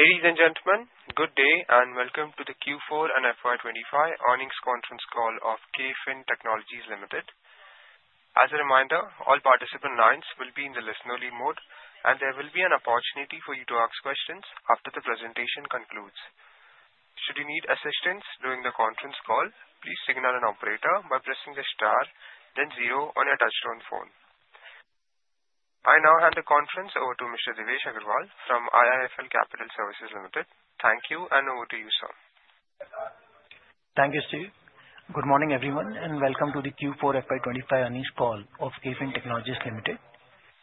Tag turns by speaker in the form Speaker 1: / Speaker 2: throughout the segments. Speaker 1: Ladies and gentlemen, good day and welcome to the Q4 and FY25 earnings conference call of KFin Technologies Limited. As a reminder, all participant lines will be in the listener-lead mode, and there will be an opportunity for you to ask questions after the presentation concludes. Should you need assistance during the conference call, please signal an operator by pressing the star, then zero on your touch-tone phone. I now hand the conference over to Mr. Devesh Agarwal from IIFL Capital Services Limited. Thank you, and over to you, sir.
Speaker 2: Thank you, Steve. Good morning, everyone, and welcome to the Q4 FY25 earnings call of KFin Technologies Limited.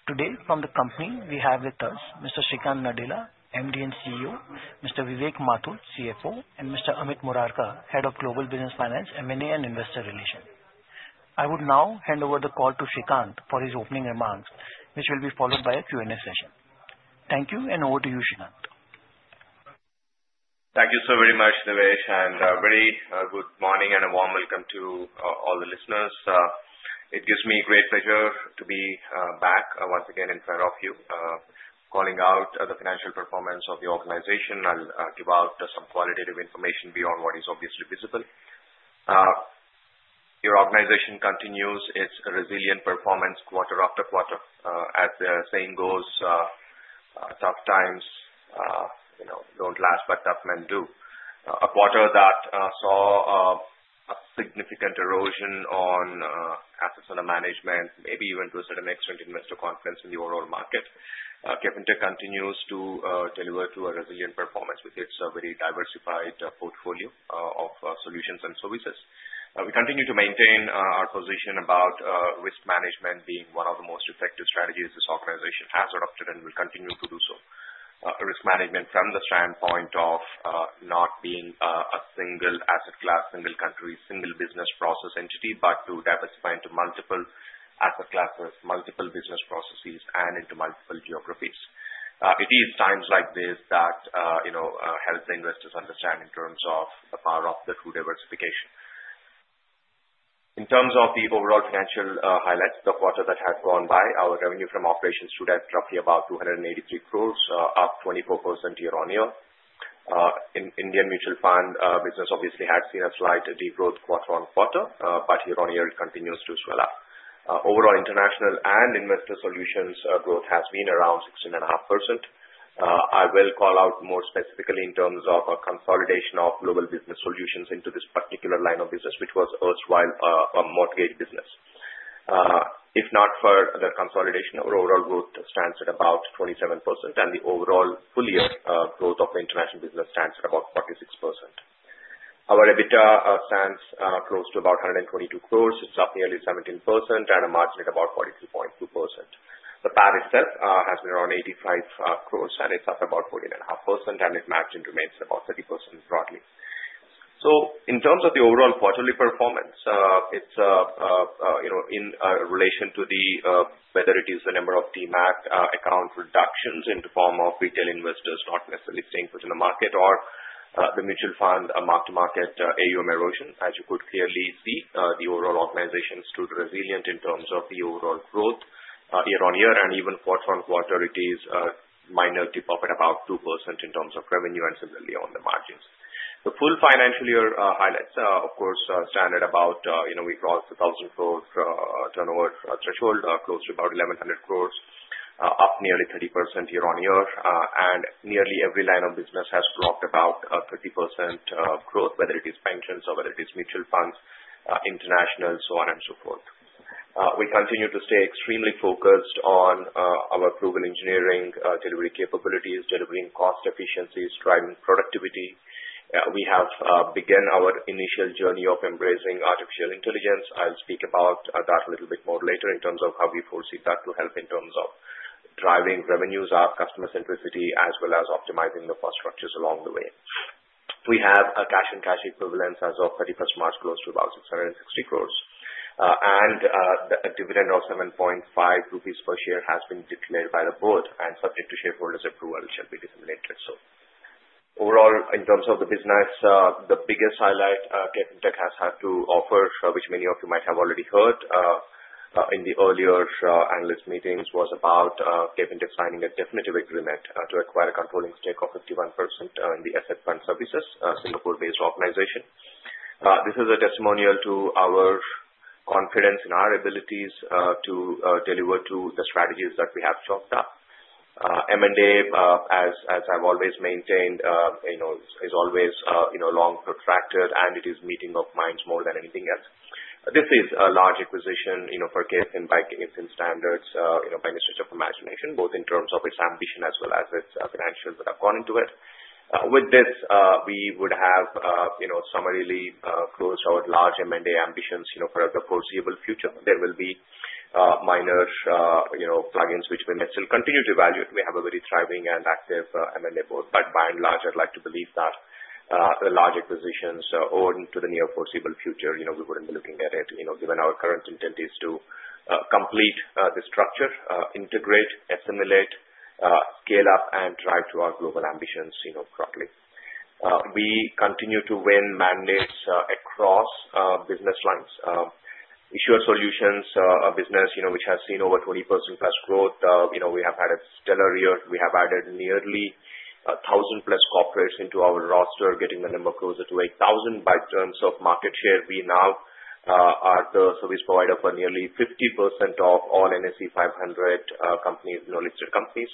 Speaker 2: Today, from the company, we have with us Mr. Sreekanth Nadella, MD and CEO, Mr. Vivek Mathur, CFO, and Mr. Amit Murarka, Head of Global Business Finance, M&A and Investor Relations. I would now hand over the call to Sreekanth for his opening remarks, which will be followed by a Q&A session. Thank you, and over to you, Sreekanth.
Speaker 3: Thank you so very much, Devesh, and a very good morning and a warm welcome to all the listeners. It gives me great pleasure to be back once again in front of you, calling out the financial performance of the organization. I'll give out some qualitative information beyond what is obviously visible. Your organization continues its resilient performance quarter after quarter. As the saying goes, "Tough times don't last, but tough men do." A quarter that saw a significant erosion on assets under management, maybe even to a certain extent investor confidence in the overall market, KFin Technologies continues to deliver a resilient performance with its very diversified portfolio of solutions and services. We continue to maintain our position about risk management being one of the most effective strategies this organization has adopted and will continue to do so. Risk management from the standpoint of not being a single asset class, single country, single business process entity, but to diversify into multiple asset classes, multiple business processes, and into multiple geographies. It is times like this that helps the investors understand in terms of the power of the true diversification. In terms of the overall financial highlights of the quarter that has gone by, our revenue from operations stood at roughly about 283 crore, up 24% year-on-year. Indian mutual fund business obviously had seen a slight degrowth quarter on quarter, but year-on-year it continues to swell up. Overall, international and investor solutions growth has been around 16.5%. I will call out more specifically in terms of consolidation of global business solutions into this particular line of business, which was erstwhile mortgage business. If not for the consolidation, our overall growth stands at about 27%, and the overall full-year growth of international business stands at about 46%. Our EBITDA stands close to about 122 crore, it's up nearly 17%, and a margin at about 43.2%. The PAT itself has been around 85 crore, and it's up about 14.5%, and its margin remains about 30% broadly. In terms of the overall quarterly performance, it's in relation to whether it is the number of demat account reductions in the form of retail investors not necessarily staying put in the market, or the mutual fund mark-to-market AUM erosion. As you could clearly see, the overall organization stood resilient in terms of the overall growth year-on-year, and even quarter on quarter, it is a minor tip-off at about 2% in terms of revenue and similarly on the margins. The full financial year highlights, of course, stand at about we crossed the 1,000 crore turnover threshold, close to about 1,100 crores, up nearly 30% year-on-year, and nearly every line of business has clocked about 30% growth, whether it is pensions or whether it is mutual funds, international, so on and so forth. We continue to stay extremely focused on our global engineering delivery capabilities, delivering cost efficiencies, driving productivity. We have begun our initial journey of embracing artificial intelligence. I'll speak about that a little bit more later in terms of how we foresee that to help in terms of driving revenues, our customer centricity, as well as optimizing the cost structures along the way. We have a cash-on-cash equivalence as of 31 March, close to about 660 crore, and a dividend of 7.5 rupees per share has been declared by the board and subject to shareholders' approval, which shall be disseminated soon. Overall, in terms of the business, the biggest highlight KFin Technologies has had to offer, which many of you might have already heard in the earlier analyst meetings, was about KFin Technologies signing a definitive agreement to acquire a controlling stake of 51% in AFS, a Singapore-based organization. This is a testimonial to our confidence in our abilities to deliver to the strategies that we have chalked up. M&A, as I've always maintained, is always long protracted, and it is meeting of minds more than anything else. This is a large acquisition by KFin Technologies, by the stretch of imagination, both in terms of its ambition as well as its financials that are going to it. With this, we would have summarily closed our large M&A ambitions for the foreseeable future. There will be minor plug-ins which we may still continue to evaluate. We have a very thriving and active M&A board, but by and large, I'd like to believe that the large acquisitions owed to the near foreseeable future, we wouldn't be looking at it, given our current intent is to complete the structure, integrate, assimilate, scale up, and drive to our global ambitions broadly. We continue to win mandates across business lines. Issuer Solutions business, which has seen over 20%+ growth, we have had a stellar year. We have added nearly 1,000+ corporates into our roster, getting the number closer to 8,000. By terms of market share, we now are the service provider for nearly 50% of all NSE 500 listed companies.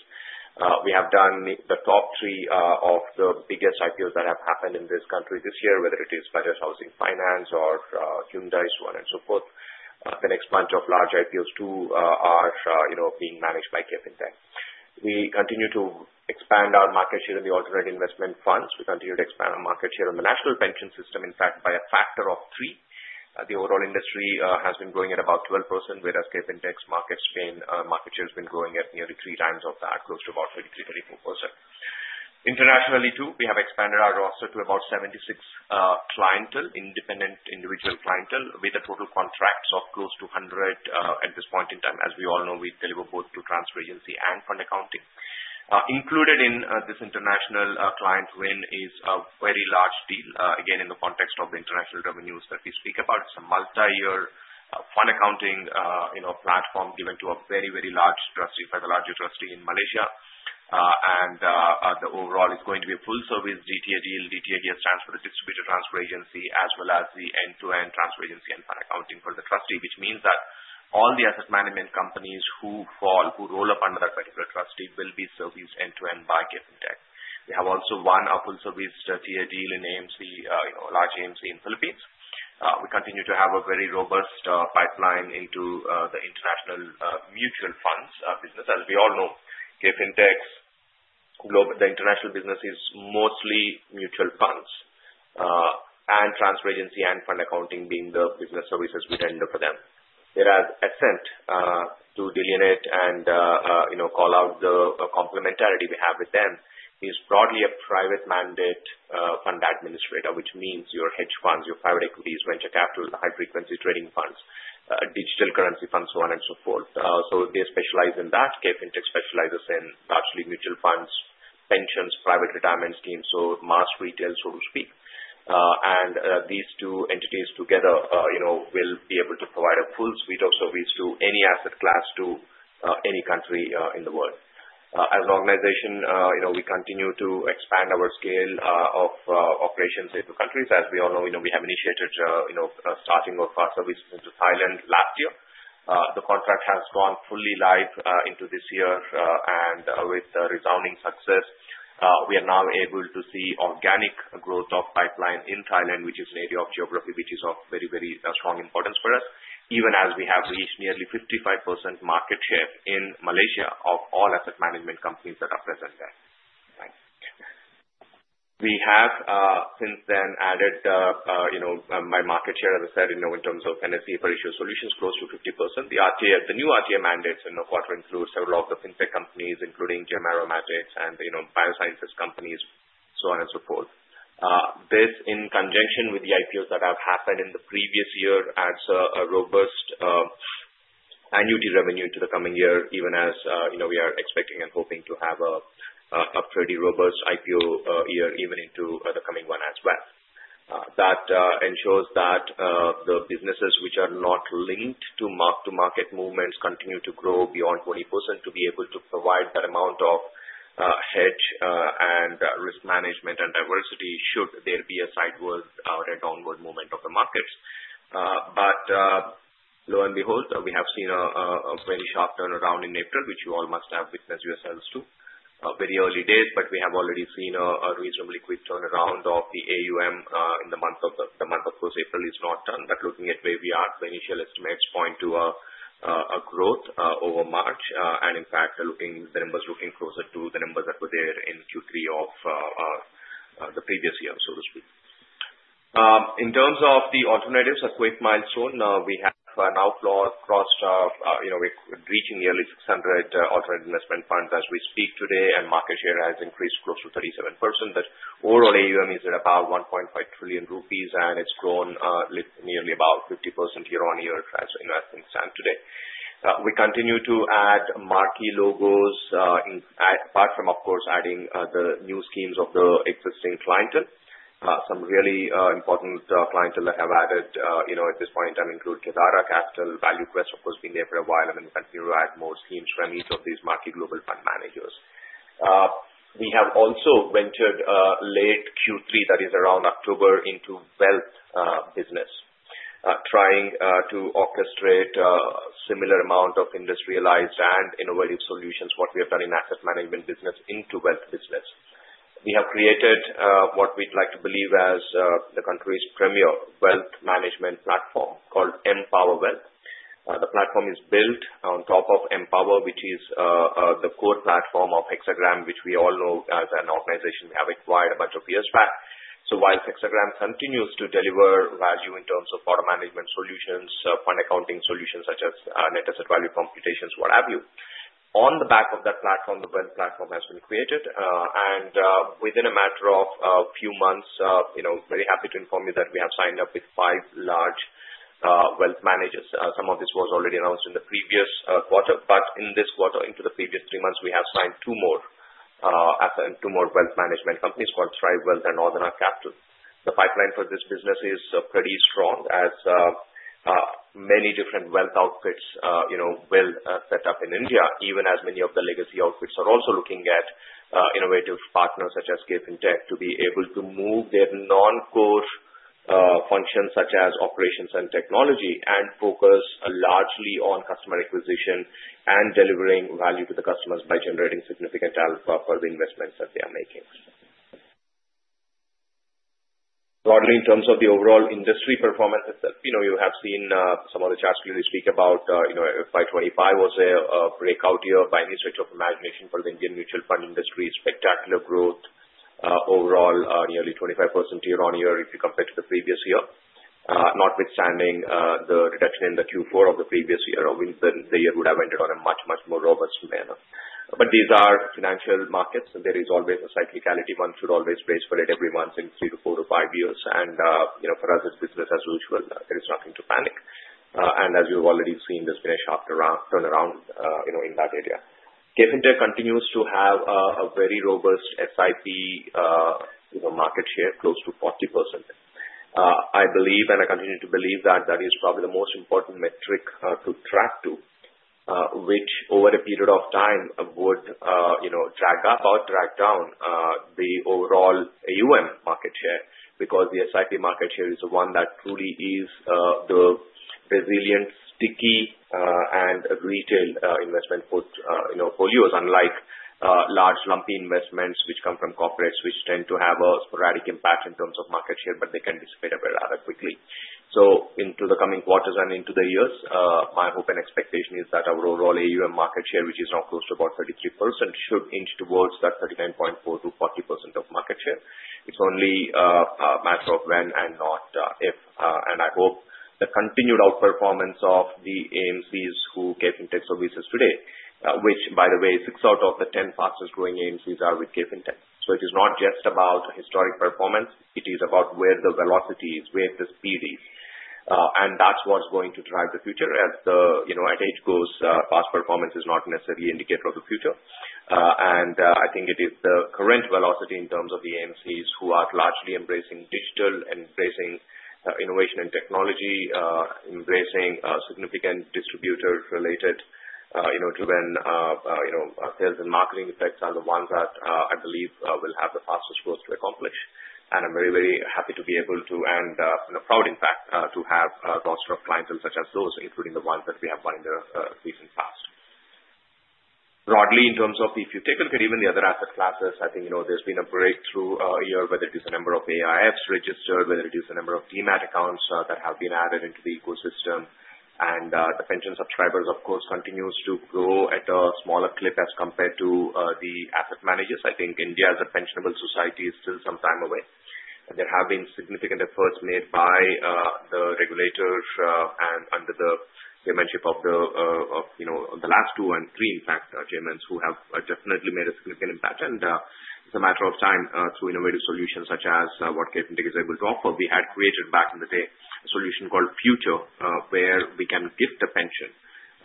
Speaker 3: We have done the top three of the biggest IPOs that have happened in this country this year, whether it is Federal Bank or Hyundai, so on and so forth. The next bunch of large IPOs too are being managed by KFin Technologies. We continue to expand our market share in the alternate investment funds. We continue to expand our market share on the national pension system, in fact, by a factor of three. The overall industry has been growing at about 12%, whereas KFin Technologies' market share has been growing at nearly three times of that, close to about 33-34%. Internationally too, we have expanded our roster to about 76 clientele, independent individual clientele, with a total contracts of close to 100 at this point in time. As we all know, we deliver both to transfer agency and fund accounting. Included in this international client win is a very large deal, again, in the context of the international revenues that we speak about. It's a multi-year fund accounting platform given to a very, very large trustee, by the largest trustee in Malaysia, and the overall is going to be a full-service DTA deal. DTA deal stands for the distributor transfer agency, as well as the end-to-end transfer agency and fund accounting for the trustee, which means that all the asset management companies who fall, who roll up under that particular trustee, will be serviced end-to-end by KFinTech. We have also won a full-service DTA deal in a large AMC in the Philippines. We continue to have a very robust pipeline into the international mutual funds business. As we all know, KFinTech's global international business is mostly mutual funds, and transfer agency and fund accounting being the business services we tender for them. Whereas Essent, to delineate and call out the complementarity we have with them, is broadly a private mandate fund administrator, which means your hedge funds, your private equities, venture capital, high-frequency trading funds, digital currency funds, so on and so forth. They specialize in that. KFinTech specializes in largely mutual funds, pensions, private retirement schemes, so mass retail, so to speak. These two entities together will be able to provide a full suite of services to any asset class, to any country in the world. As an organization, we continue to expand our scale of operations in the countries. As we all know, we have initiated starting our first service into Thailand last year. The contract has gone fully live into this year, and with resounding success, we are now able to see organic growth of pipeline in Thailand, which is an area of geography which is of very, very strong importance for us, even as we have reached nearly 55% market share in Malaysia of all asset management companies that are present there. We have since then added my market share, as I said, in terms of NSE for Issuer Solutions, close to 50%. The new RTA mandates in the quarter include several of the fintech companies, including GM Aromatics and biosciences companies, so on and so forth. This, in conjunction with the IPOs that have happened in the previous year, adds a robust annuity revenue to the coming year, even as we are expecting and hoping to have a pretty robust IPO year even into the coming one as well. That ensures that the businesses which are not linked to mark-to-market movements continue to grow beyond 20% to be able to provide that amount of hedge and risk management and diversity should there be a sideways or a downward movement of the markets. Lo and behold, we have seen a very sharp turnaround in April, which you all must have witnessed yourselves too. Very early days, but we have already seen a reasonably quick turnaround of the AUM in the month of close. April is not done, but looking at where we are, initial estimates point to a growth over March, and in fact, the numbers looking closer to the numbers that were there in Q3 of the previous year, so to speak. In terms of the alternatives, a quick milestone. We have now crossed reaching nearly 600 alternate investment funds as we speak today, and market share has increased close to 37%. The overall AUM is at about 1.5 trillion rupees, and it's grown nearly about 50% year-on-year as investments stand today. We continue to add marquee logos, apart from, of course, adding the new schemes of the existing clientele. Some really important clientele that have added at this point in time include Kedara Capital, ValueQuest, of course, been there for a while, and then we continue to add more schemes from each of these marquee global fund managers. We have also ventured late Q3, that is around October, into wealth business, trying to orchestrate a similar amount of industrialized and innovative solutions, what we have done in asset management business, into wealth business. We have created what we'd like to believe as the country's premier wealth management platform called M-Power Wealth. The platform is built on top of M-Power, which is the core platform of Hexagram, which we all know as an organization we have acquired a bunch of years back. While Hexagram continues to deliver value in terms of product management solutions, fund accounting solutions such as net asset value computations, what have you, on the back of that platform, the wealth platform has been created, and within a matter of a few months, very happy to inform you that we have signed up with five large wealth managers. Some of this was already announced in the previous quarter, but in this quarter, into the previous three months, we have signed two more wealth management companies called Thrive Wealth and Northern Arc Capital. The pipeline for this business is pretty strong, as many different wealth outfits will set up in India, even as many of the legacy outfits are also looking at innovative partners such as KFinTech to be able to move their non-core functions such as operations and technology and focus largely on customer acquisition and delivering value to the customers by generating significant alpha for the investments that they are making. Broadly, in terms of the overall industry performance itself, you have seen some of the charts clearly speak about FY25 was a breakout year by any stretch of imagination for the Indian mutual fund industry. Spectacular growth overall, nearly 25% year-on-year if you compare to the previous year, notwithstanding the reduction in the Q4 of the previous year, the year would have ended on a much, much more robust manner. These are financial markets, and there is always a cyclicality. One should always brace for it every once in three to four to five years, and for us, it's business as usual. There is nothing to panic. As you've already seen, there's been a sharp turnaround in that area. KFin Technologies continues to have a very robust SIP market share, close to 40%. I believe, and I continue to believe, that that is probably the most important metric to track to, which over a period of time would drag up or drag down the overall AUM market share because the SIP market share is the one that truly is the resilient, sticky, and retail investment portfolios, unlike large, lumpy investments which come from corporates which tend to have a sporadic impact in terms of market share, but they can dissipate rather quickly. Into the coming quarters and into the years, my hope and expectation is that our overall AUM market share, which is now close to about 33%, should inch towards that 39.4-40% of market share. It is only a matter of when and not if, and I hope the continued outperformance of the AMCs who KFinTech services today, which, by the way, six out of the ten fastest growing AMCs are with KFinTech. It is not just about historic performance. It is about where the velocity is, where the speed is, and that is what is going to drive the future. As the age goes, past performance is not necessarily an indicator of the future. I think it is the current velocity in terms of the AMCs who are largely embracing digital, embracing innovation and technology, embracing significant distributor-related driven sales and marketing effects, are the ones that I believe will have the fastest growth to accomplish. I am very, very happy to be able to, and proud, in fact, to have lots of clientele such as those, including the ones that we have done in the recent past. Broadly, in terms of if you take a look at even the other asset classes, I think there's been a breakthrough here, whether it is a number of AIFs registered, whether it is a number of DMAT accounts that have been added into the ecosystem, and the pension subscribers, of course, continues to grow at a smaller clip as compared to the asset managers. I think India as a pensionable society is still some time away, and there have been significant efforts made by the regulators and under the chairmanship of the last two and three, in fact, chairmans who have definitely made a significant impact. It is a matter of time through innovative solutions such as what KFin Technologies is able to offer. We had created back in the day a solution called Future, where we can gift a pension,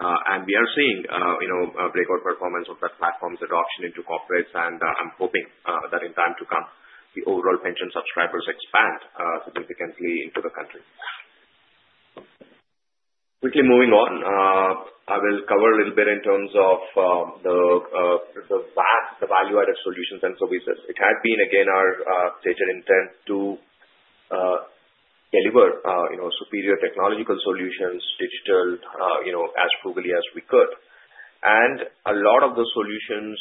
Speaker 3: and we are seeing a breakout performance of that platform's adoption into corporates. I'm hoping that in time to come, the overall pension subscribers expand significantly into the country. Quickly moving on, I will cover a little bit in terms of the value-added solutions and services. It had been, again, our stated intent to deliver superior technological solutions, digital, as frugally as we could, and a lot of the solutions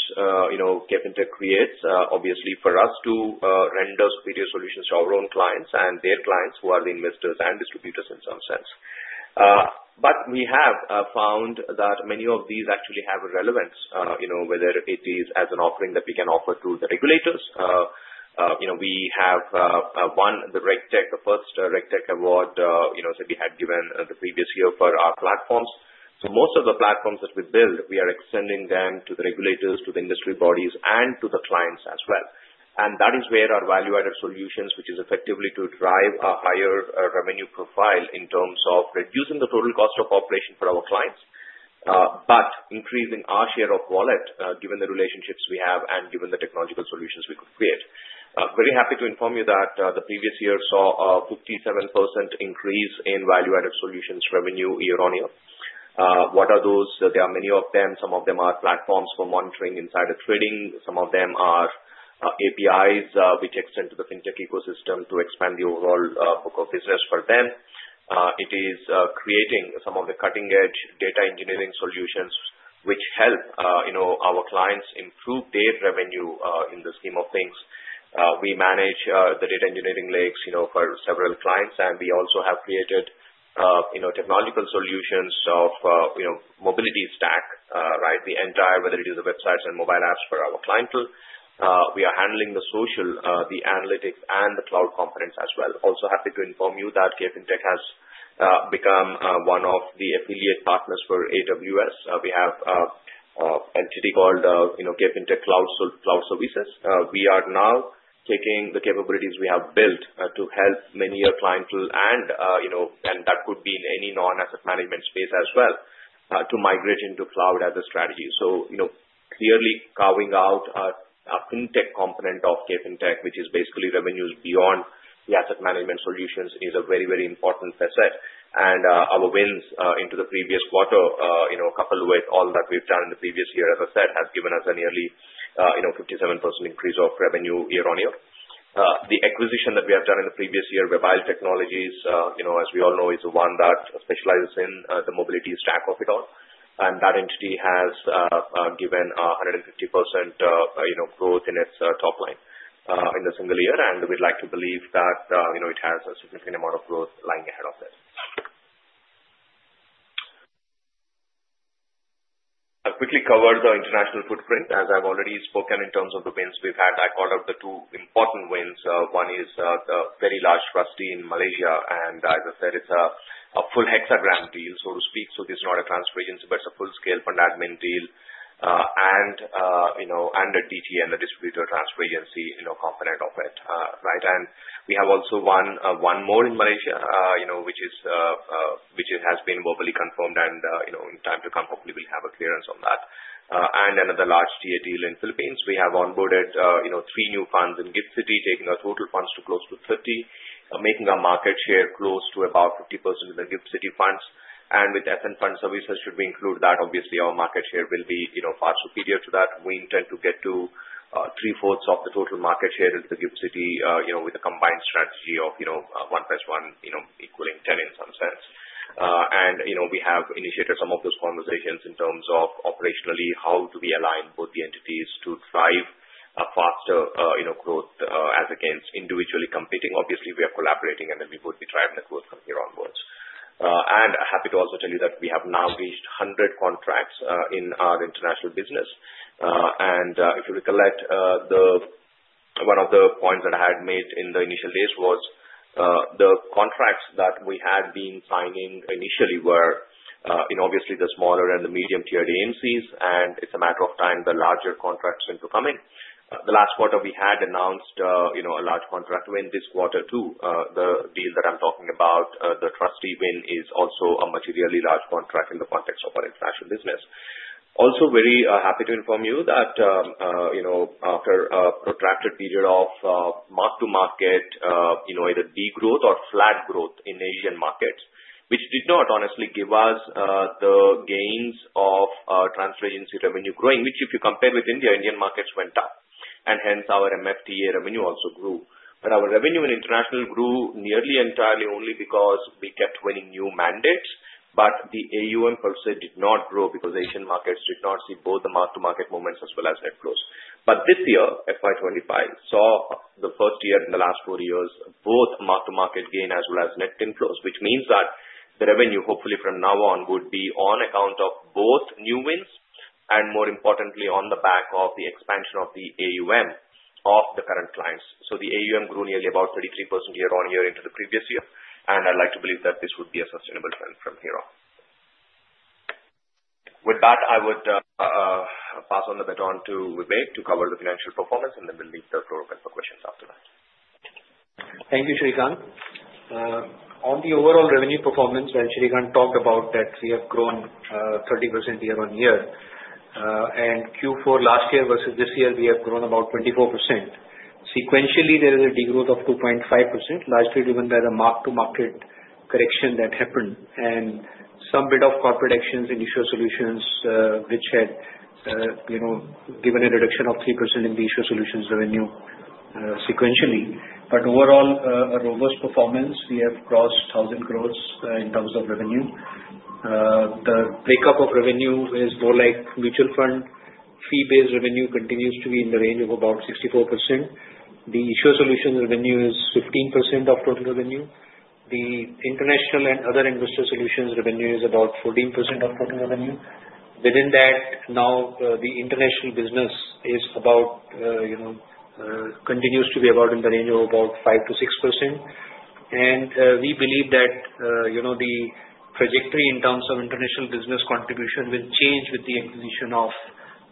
Speaker 3: KFinTech creates, obviously for us to render superior solutions to our own clients and their clients who are the investors and distributors in some sense. We have found that many of these actually have a relevance, whether it is as an offering that we can offer to the regulators. We have won the REGTECH, the first REGTECH award that we had given the previous year for our platforms. Most of the platforms that we build, we are extending them to the regulators, to the industry bodies, and to the clients as well. That is where our value-added solutions, which is effectively to drive a higher revenue profile in terms of reducing the total cost of operation for our clients, but increasing our share of wallet given the relationships we have and given the technological solutions we could create. Very happy to inform you that the previous year saw a 57% increase in value-added solutions revenue year-on-year. What are those? There are many of them. Some of them are platforms for monitoring insider trading. Some of them are APIs which extend to the fintech ecosystem to expand the overall book of business for them. It is creating some of the cutting-edge data engineering solutions which help our clients improve their revenue in the scheme of things. We manage the data engineering legs for several clients, and we also have created technological solutions of mobility stack, right? The entire, whether it is the websites and mobile apps for our clientele. We are handling the social, the analytics, and the cloud components as well. Also happy to inform you that KFin Technologies has become one of the affiliate partners for AWS. We have an entity called KFin Technologies Cloud Services. We are now taking the capabilities we have built to help many of our clientele, and that could be in any non-asset management space as well, to migrate into cloud as a strategy. Clearly, carving out a fintech component of KFin Technologies, which is basically revenues beyond the asset management solutions, is a very, very important asset, and our wins into the previous quarter, coupled with all that we have done in the previous year, as I said, has given us a nearly 57% increase of revenue year-on-year. The acquisition that we have done in the previous year by Vite Technologies, as we all know, is the one that specializes in the mobility stack of it all, and that entity has given 150% growth in its top line in the single year, and we would like to believe that it has a significant amount of growth lying ahead of it. I will quickly cover the international footprint. As I have already spoken in terms of the wins we have had, I call out the two important wins. One is the very large trustee in Malaysia, and as I said, it's a full Hexagram deal, so to speak. This is not a transparency, but it's a full-scale fund admin deal and a DTA and a distributor transparency component of it, right? We have also one more in Malaysia, which has been verbally confirmed, and in time to come, hopefully, we'll have a clearance on that. Another large TA deal in the Philippines. We have onboarded three new funds in GIFT City, taking our total funds to close to 30, making our market share close to about 50% of the GIFT City funds. With Essent Fund Services, should we include that, obviously, our market share will be far superior to that. We intend to get to three-fourths of the total market share into the GIFT City with a combined strategy of one plus one equaling 10 in some sense. We have initiated some of those conversations in terms of operationally, how do we align both the entities to drive a faster growth as against individually competing? Obviously, we are collaborating, and we would be driving the growth from here onwards. I'm happy to also tell you that we have now reached 100 contracts in our international business. If you recollect, one of the points that I had made in the initial days was the contracts that we had been signing initially were obviously the smaller and the medium-tiered AMCs, and it's a matter of time the larger contracts seem to come in. The last quarter, we had announced a large contract win this quarter too. The deal that I'm talking about, the trustee win, is also a materially large contract in the context of our international business. Also very happy to inform you that after a protracted period of mark-to-market, either degrowth or flat growth in Asian markets, which did not honestly give us the gains of our transparency revenue growing, which if you compare with India, Indian markets went up, and hence our MFTA revenue also grew. Our revenue in international grew nearly entirely only because we kept winning new mandates, but the AUM per se did not grow because Asian markets did not see both the mark-to-market moments as well as net flows. This year, FY25, saw the first year in the last four years, both mark-to-market gain as well as net inflows, which means that the revenue, hopefully, from now on would be on account of both new wins and, more importantly, on the back of the expansion of the AUM of the current clients. The AUM grew nearly about 33% year-on-year into the previous year, and I'd like to believe that this would be a sustainable trend from here on. With that, I would pass on the baton to Vivek to cover the financial performance, and then we'll leave the floor open for questions after that.
Speaker 4: Thank you, Sreekanth. On the overall revenue performance, when Sreekanth talked about that we have grown 30% year-on-year, and Q4 last year versus this year, we have grown about 24%. Sequentially, there is a degrowth of 2.5%, largely driven by the mark-to-market correction that happened and some bit of corporate actions in issuer solutions, which had given a reduction of 3% in the issuer solutions revenue sequentially. Overall, a robust performance. We have crossed 1,000 crore in terms of revenue. The breakup of revenue is more like mutual fund fee-based revenue continues to be in the range of about 64%. The issuer solution revenue is 15% of total revenue. The international and other investor solutions revenue is about 14% of total revenue. Within that, now the international business continues to be about in the range of about 5-6%, and we believe that the trajectory in terms of international business contribution will change with the acquisition of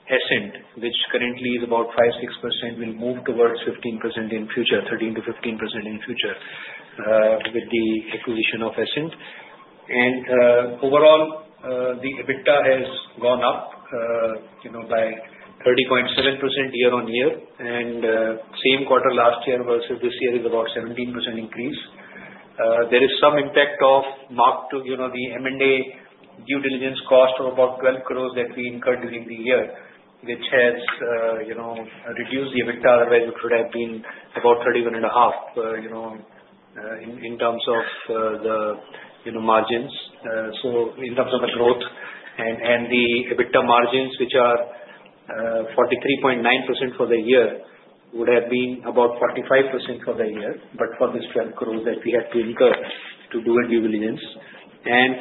Speaker 4: Essent, which currently is about 5-6%. We'll move towards 15% in future, 13-15% in future with the acquisition of Essent. Overall, the EBITDA has gone up by 30.7% year-on-year, and same quarter last year versus this year is about 17% increase. There is some impact of mark-to-market, the M&A due diligence cost of about 120,000,000 that we incurred during the year, which has reduced the EBITDA. Otherwise, it would have been about 31.5% in terms of the margins. In terms of the growth and the EBITDA margins, which are 43.9% for the year, would have been about 45% for the year, but for this 120,000,000 that we had to incur to do a due diligence.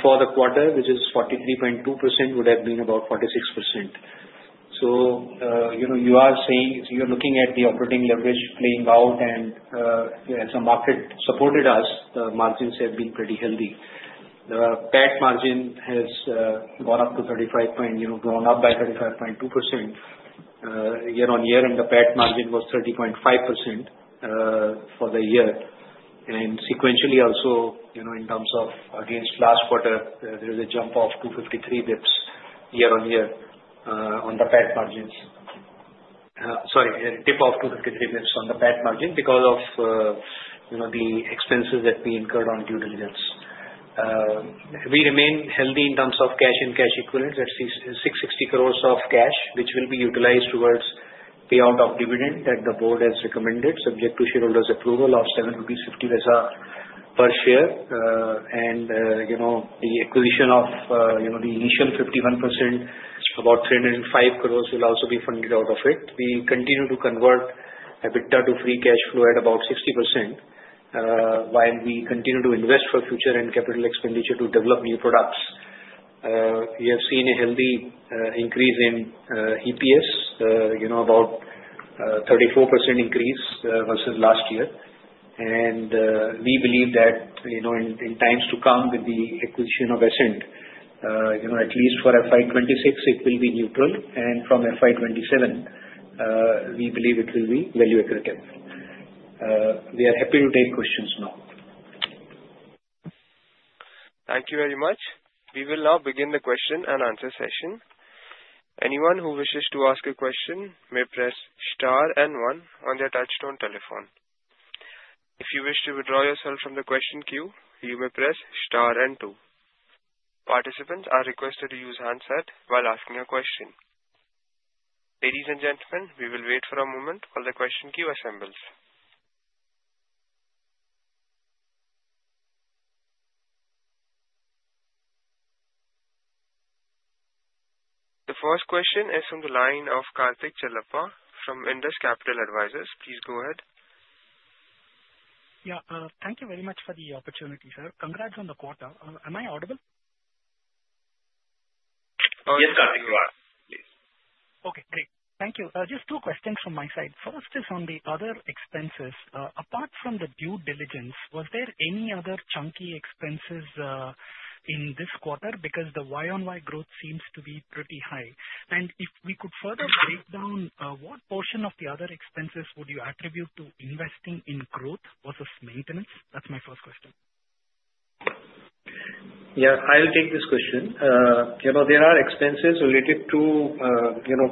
Speaker 4: For the quarter, which is 43.2%, would have been about 46%. You are saying you're looking at the operating leverage playing out, and as the market supported us, the margins have been pretty healthy. The PAT margin has gone up to 35, grown up by 35.2% year-on-year, and the PAT margin was 30.5% for the year. Sequentially, also in terms of against last quarter, there is a jump of 253 basis points year-on-year on the PAT margins. Sorry, a deep of 253 basis points on the PAT margin because of the expenses that we incurred on due diligence. We remain healthy in terms of cash and cash equivalents. That's 660 crore of cash, which will be utilized towards payout of dividend that the board has recommended, subject to shareholders' approval of 7.50 rupees per share. The acquisition of the initial 51%, about 305 crore, will also be funded out of it. We continue to convert EBITDA to free cash flow at about 60%, while we continue to invest for future and capital expenditure to develop new products. We have seen a healthy increase in EPS, about 34% increase versus last year, and we believe that in times to come with the acquisition of Essent, at least for FY26, it will be neutral, and from FY27, we believe it will be value-accretive. We are happy to take questions now.
Speaker 1: Thank you very much. We will now begin the question and answer session. Anyone who wishes to ask a question may press star and one on their touchstone telephone. If you wish to withdraw yourself from the question queue, you may press star and two. Participants are requested to use handset while asking a question. Ladies and gentlemen, we will wait for a moment while the question queue assembles. The first question is from the line of Karthik Chellappa from Indus Capital Advisors. Please go ahead.
Speaker 5: Yeah. Thank you very much for the opportunity, sir. Congrats on the quarter. Am I audible?
Speaker 3: Yes, Karthik, you are, please.
Speaker 5: Okay. Great. Thank you. Just two questions from my side. First is on the other expenses. Apart from the due diligence, was there any other chunky expenses in this quarter? Because the Y on Y growth seems to be pretty high. If we could further break down, what portion of the other expenses would you attribute to investing in growth versus maintenance? That's my first question.
Speaker 4: Yeah. I'll take this question. There are expenses related to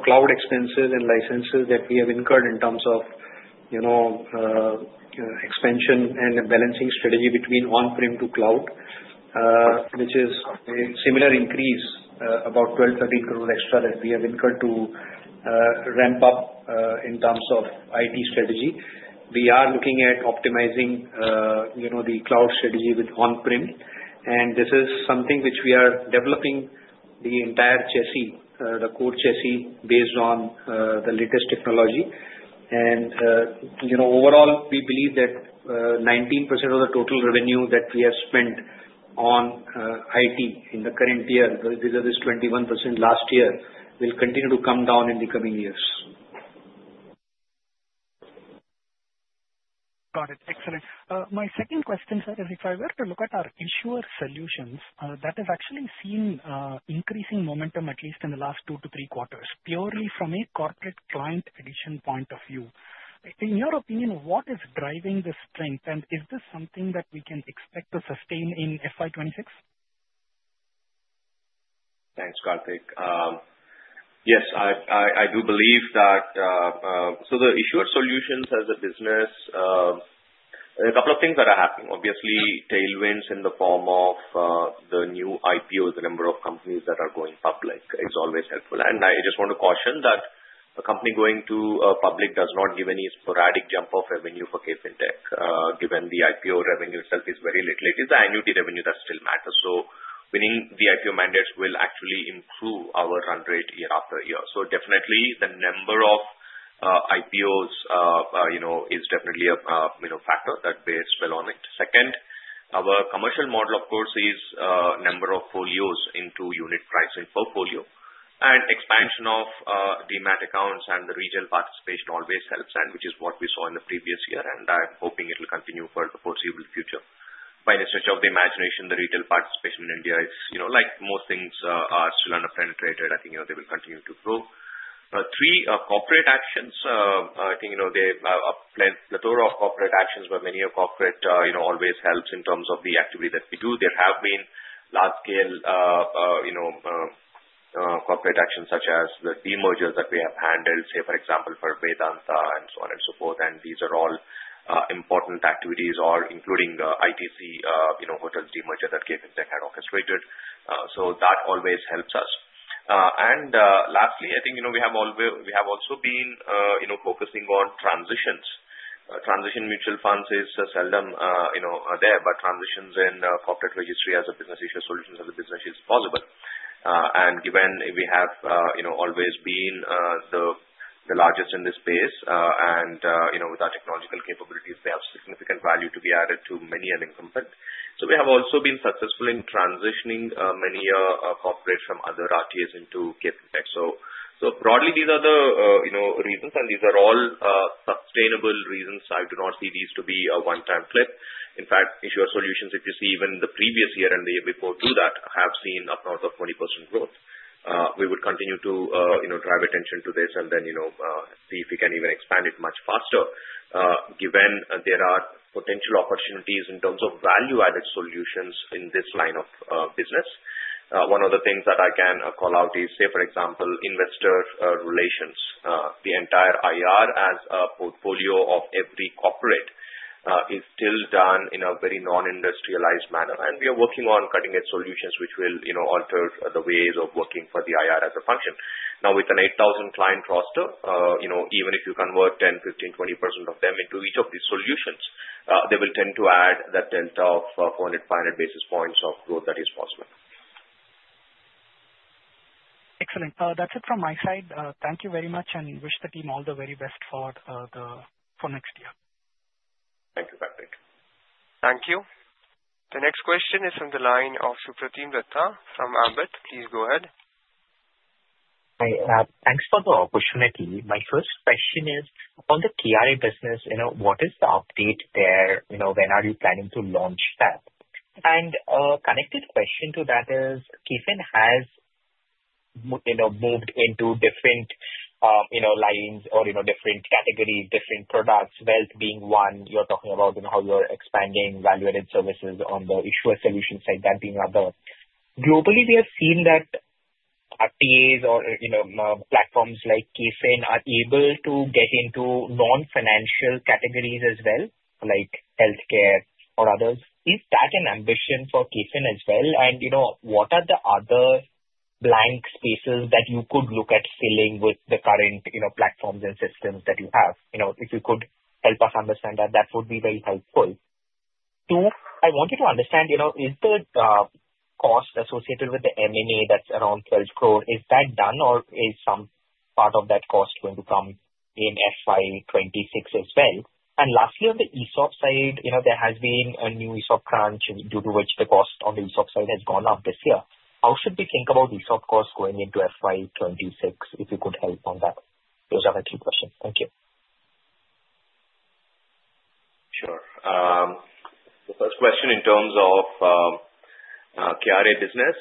Speaker 4: cloud expenses and licenses that we have incurred in terms of expansion and balancing strategy between on-prem to cloud, which is a similar increase, about 12-13 crore extra that we have incurred to ramp up in terms of IT strategy. We are looking at optimizing the cloud strategy with on-prem, and this is something which we are developing the entire chassis, the core chassis, based on the latest technology. Overall, we believe that 19% of the total revenue that we have spent on IT in the current year, which is 21% last year, will continue to come down in the coming years.
Speaker 5: Got it. Excellent. My second question, sir, is if I were to look at our issuer solutions, that has actually seen increasing momentum at least in the last two to three quarters, purely from a corporate client addition point of view. In your opinion, what is driving the strength, and is this something that we can expect to sustain in FY26?
Speaker 3: Thanks, Karthik. Yes, I do believe that so the issuer solutions as a business, there are a couple of things that are happening. Obviously, tailwinds in the form of the new IPOs, the number of companies that are going public is always helpful. I just want to caution that a company going to public does not give any sporadic jump of revenue for KFin Technologies, given the IPO revenue itself is very little. It is the annuity revenue that still matters. Winning the IPO mandates will actually improve our run rate year after year. The number of IPOs is definitely a factor that we have spent on it. Second, our commercial model, of course, is a number of folios into unit pricing portfolio, and expansion of the MAT accounts and the retail participation always helps, which is what we saw in the previous year, and I'm hoping it will continue for the foreseeable future. By any stretch of the imagination, the retail participation in India is, like most things, still underpenetrated. I think they will continue to grow. Three, corporate actions. I think there are a plethora of corporate actions, but many of corporate always helps in terms of the activity that we do. There have been large-scale corporate actions such as the demergers that we have handled, say, for example, for Vedanta and so on and so forth. These are all important activities, including ITC hotel demerger that KFin Technologies had orchestrated. That always helps us. Lastly, I think we have also been focusing on transitions. Transition mutual funds is seldom there, but transitions in corporate registry as a business, issuer solution as a business, is possible. Given we have always been the largest in this space, and with our technological capabilities, they have significant value to be added to many an incumbent. We have also been successful in transitioning many corporates from other RTAs into KFinTech. Broadly, these are the reasons, and these are all sustainable reasons. I do not see these to be a one-time flip. In fact, issuer solutions, if you see even the previous year and the year before to that, have seen upwards of 20% growth. We would continue to drive attention to this and then see if we can even expand it much faster, given there are potential opportunities in terms of value-added solutions in this line of business. One of the things that I can call out is, say, for example, investor relations. The entire IR as a portfolio of every corporate is still done in a very non-industrialized manner, and we are working on cutting-edge solutions which will alter the ways of working for the IR as a function. Now, with an 8,000-client roster, even if you convert 10, 15, 20% of them into each of these solutions, they will tend to add that delta of 400, 500 basis points of growth that is possible.
Speaker 5: Excellent. That's it from my side. Thank you very much and wish the team all the very best for next year.
Speaker 3: Thank you, Karthik. Thank you.
Speaker 1: The next question is from the line of Sukirthi Dutta from Ambit. Please go ahead.
Speaker 6: Thanks for the opportunity. My first question is, on the TRA business, what is the update there? When are you planning to launch that? A connected question to that is, KFin has moved into different lines or different categories, different products. Wealth being one, you're talking about how you're expanding value-added services on the issuer solution side, that being other. Globally, we have seen that RTAs or platforms like KFin are able to get into non-financial categories as well, like healthcare or others. Is that an ambition for KFin as well? What are the other blank spaces that you could look at filling with the current platforms and systems that you have? If you could help us understand that, that would be very helpful. Two, I want you to understand, is the cost associated with the M&A that's around 12 crore, is that done, or is some part of that cost going to come in FY26 as well? Lastly, on the ESOP side, there has been a new ESOP crunch due to which the cost on the ESOP side has gone up this year. How should we think about ESOP costs going into FY26 if you could help on that? Those are my three questions. Thank you.
Speaker 4: Sure. The first question in terms of TRA business.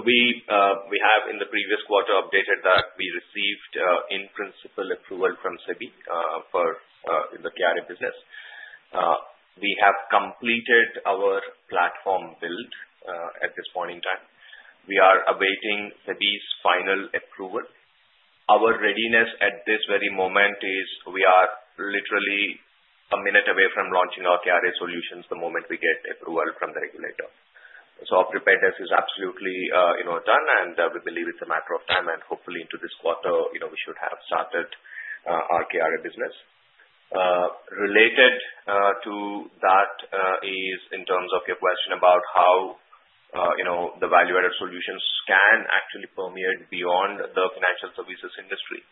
Speaker 4: We have, in the previous quarter, updated that we received in-principle approval from SEBI for the TRA business. We have completed our platform build at this point in time. We are awaiting SEBI's final approval. Our readiness at this very moment is we are literally a minute away from launching our TRA solutions the moment we get approval from the regulator. Our preparedness is absolutely done, and we believe it's a matter of time, and hopefully, into this quarter, we should have started our TRA business. Related to that is, in terms of your question about how the value-added solutions can actually permeate beyond the financial services industry.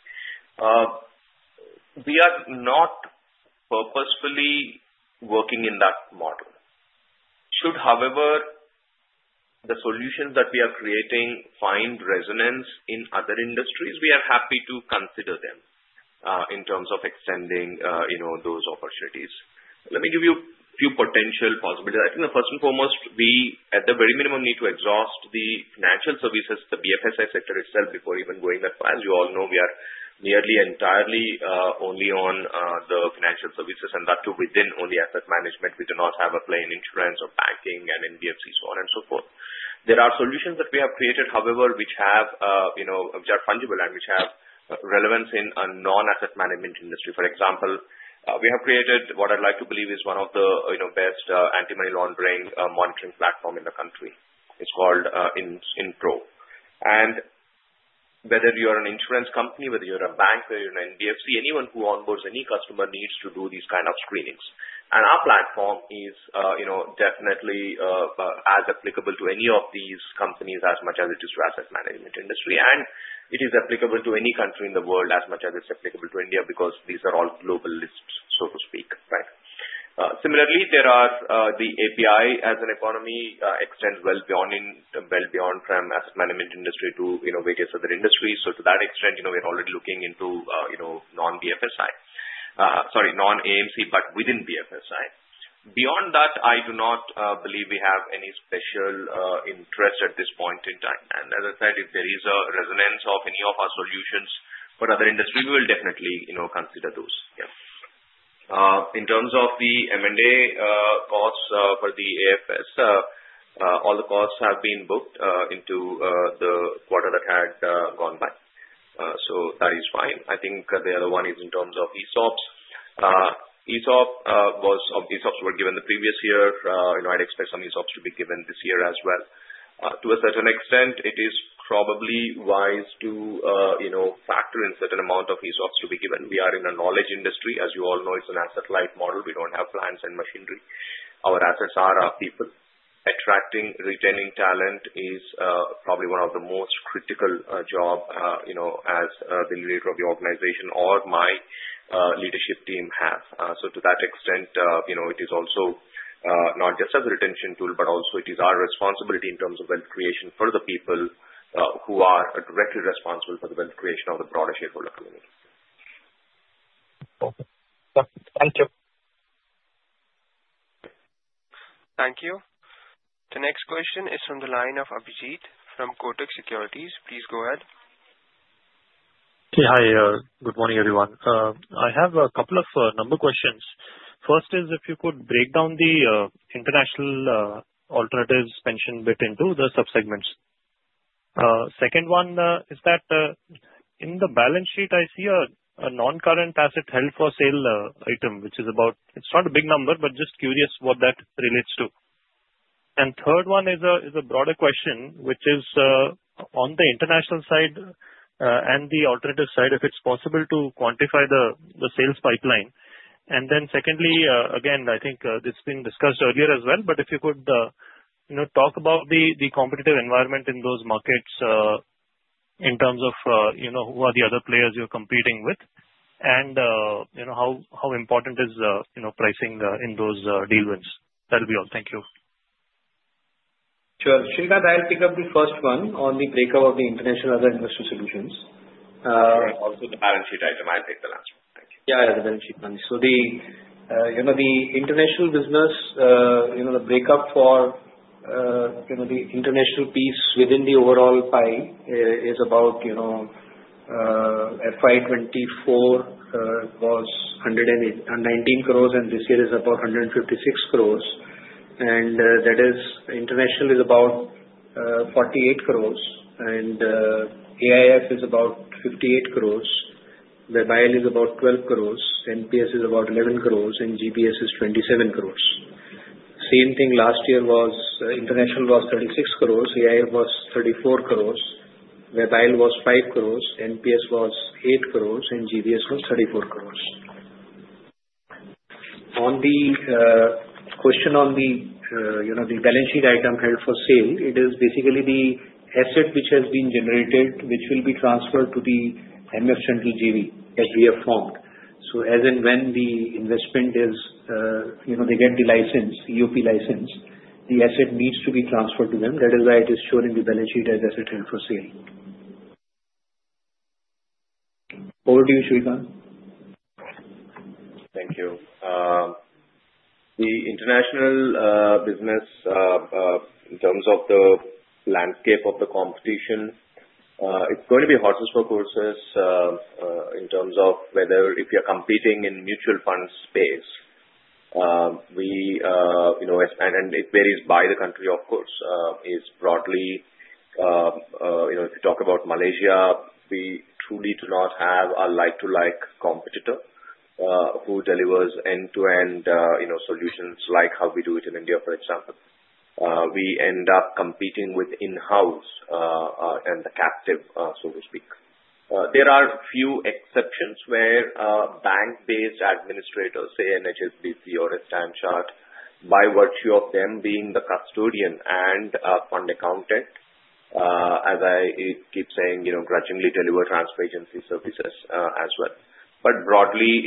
Speaker 4: We are not purposefully working in that model. Should, however, the solutions that we are creating find resonance in other industries, we are happy to consider them in terms of extending those opportunities. Let me give you a few potential possibilities. I think, first and foremost, we, at the very minimum, need to exhaust the financial services, the BFSI sector itself, before even going that far. As you all know, we are nearly entirely only on the financial services, and that too within only asset management. We do not have a play in insurance or banking and NBFC, so on and so forth. There are solutions that we have created, however, which are fungible and which have relevance in a non-asset management industry. For example, we have created what I'd like to believe is one of the best anti-money laundering monitoring platforms in the country. It's called InPro. Whether you're an insurance company, whether you're a bank, whether you're an NBFC, anyone who onboards any customer needs to do these kinds of screenings. Our platform is definitely as applicable to any of these companies as much as it is to asset management industry, and it is applicable to any country in the world as much as it's applicable to India because these are all global lists, so to speak, right? Similarly, the API as an economy extends well beyond from asset management industry to various other industries. To that extent, we're already looking into non-BFSI, sorry, non-AMC, but within BFSI. Beyond that, I do not believe we have any special interest at this point in time. As I said, if there is a resonance of any of our solutions for other industries, we will definitely consider those. Yeah. In terms of the M&A costs for the AFS, all the costs have been booked into the quarter that had gone by. That is fine. I think the other one is in terms of ESOPs. ESOPs were given the previous year. I'd expect some ESOPs to be given this year as well. To a certain extent, it is probably wise to factor in a certain amount of ESOPs to be given. We are in a knowledge industry. As you all know, it's an asset-like model. We don't have plants and machinery. Our assets are our people. Attracting, retaining talent is probably one of the most critical jobs as the leader of the organization or my leadership team have. To that extent, it is also not just a retention tool, but also it is our responsibility in terms of wealth creation for the people who are directly responsible for the wealth creation of the broader shareholder community. Thank you.
Speaker 1: Thank you. The next question is from the line of Abhijit from Kotak Securities. Please go ahead.
Speaker 6: Hey, hi. Good morning, everyone. I have a couple of number questions. First is, if you could break down the international alternatives pension bit into the subsegments. Second one is that in the balance sheet, I see a non-current asset held for sale item, which is about, it's not a big number, but just curious what that relates to. Third one is a broader question, which is on the international side and the alternative side, if it's possible to quantify the sales pipeline. Then secondly, again, I think this has been discussed earlier as well, but if you could talk about the competitive environment in those markets in terms of who are the other players you're competing with, and how important is pricing in those deal wins. That'll be all. Thank you.
Speaker 4: Sure. Sreekanth, I'll pick up the first one on the breakup of the international other industry solutions. Also the balance sheet item, I'll take the last one. Thank you. Yeah, the balance sheet one. The international business, the breakup for the international piece within the overall pie is about 119 crore for FY2024, and this year is about 156 crore. That is, international is about 48 crore, and AIF is about 58 crore, Webile is about 12 crore, NPS is about 11 crore, and GBS is 27 crore. Same thing last year was, international was 36 crore, AIF was 34 crore, Webile was 5 crore, NPS was 8 crore, and GBS was 34 crore. On the question on the balance sheet item held for sale, it is basically the asset which has been generated, which will be transferred to the MF Central GV that we have formed. As and when the investment is they get the license, EOP license, the asset needs to be transferred to them. That is why it is shown in the balance sheet as asset held for sale. Over to you, Sreekanth.
Speaker 3: Thank you. The international business, in terms of the landscape of the competition, it's going to be horses for courses in terms of whether if you're competing in mutual funds space, and it varies by the country, of course, is broadly if you talk about Malaysia, we truly do not have a like-to-like competitor who delivers end-to-end solutions like how we do it in India, for example. We end up competing with in-house and the captive, so to speak. There are few exceptions where bank-based administrators, say, HSBC or StanChart, by virtue of them being the custodian and fund accountant, as I keep saying, grudgingly deliver transfer agency services as well. Broadly,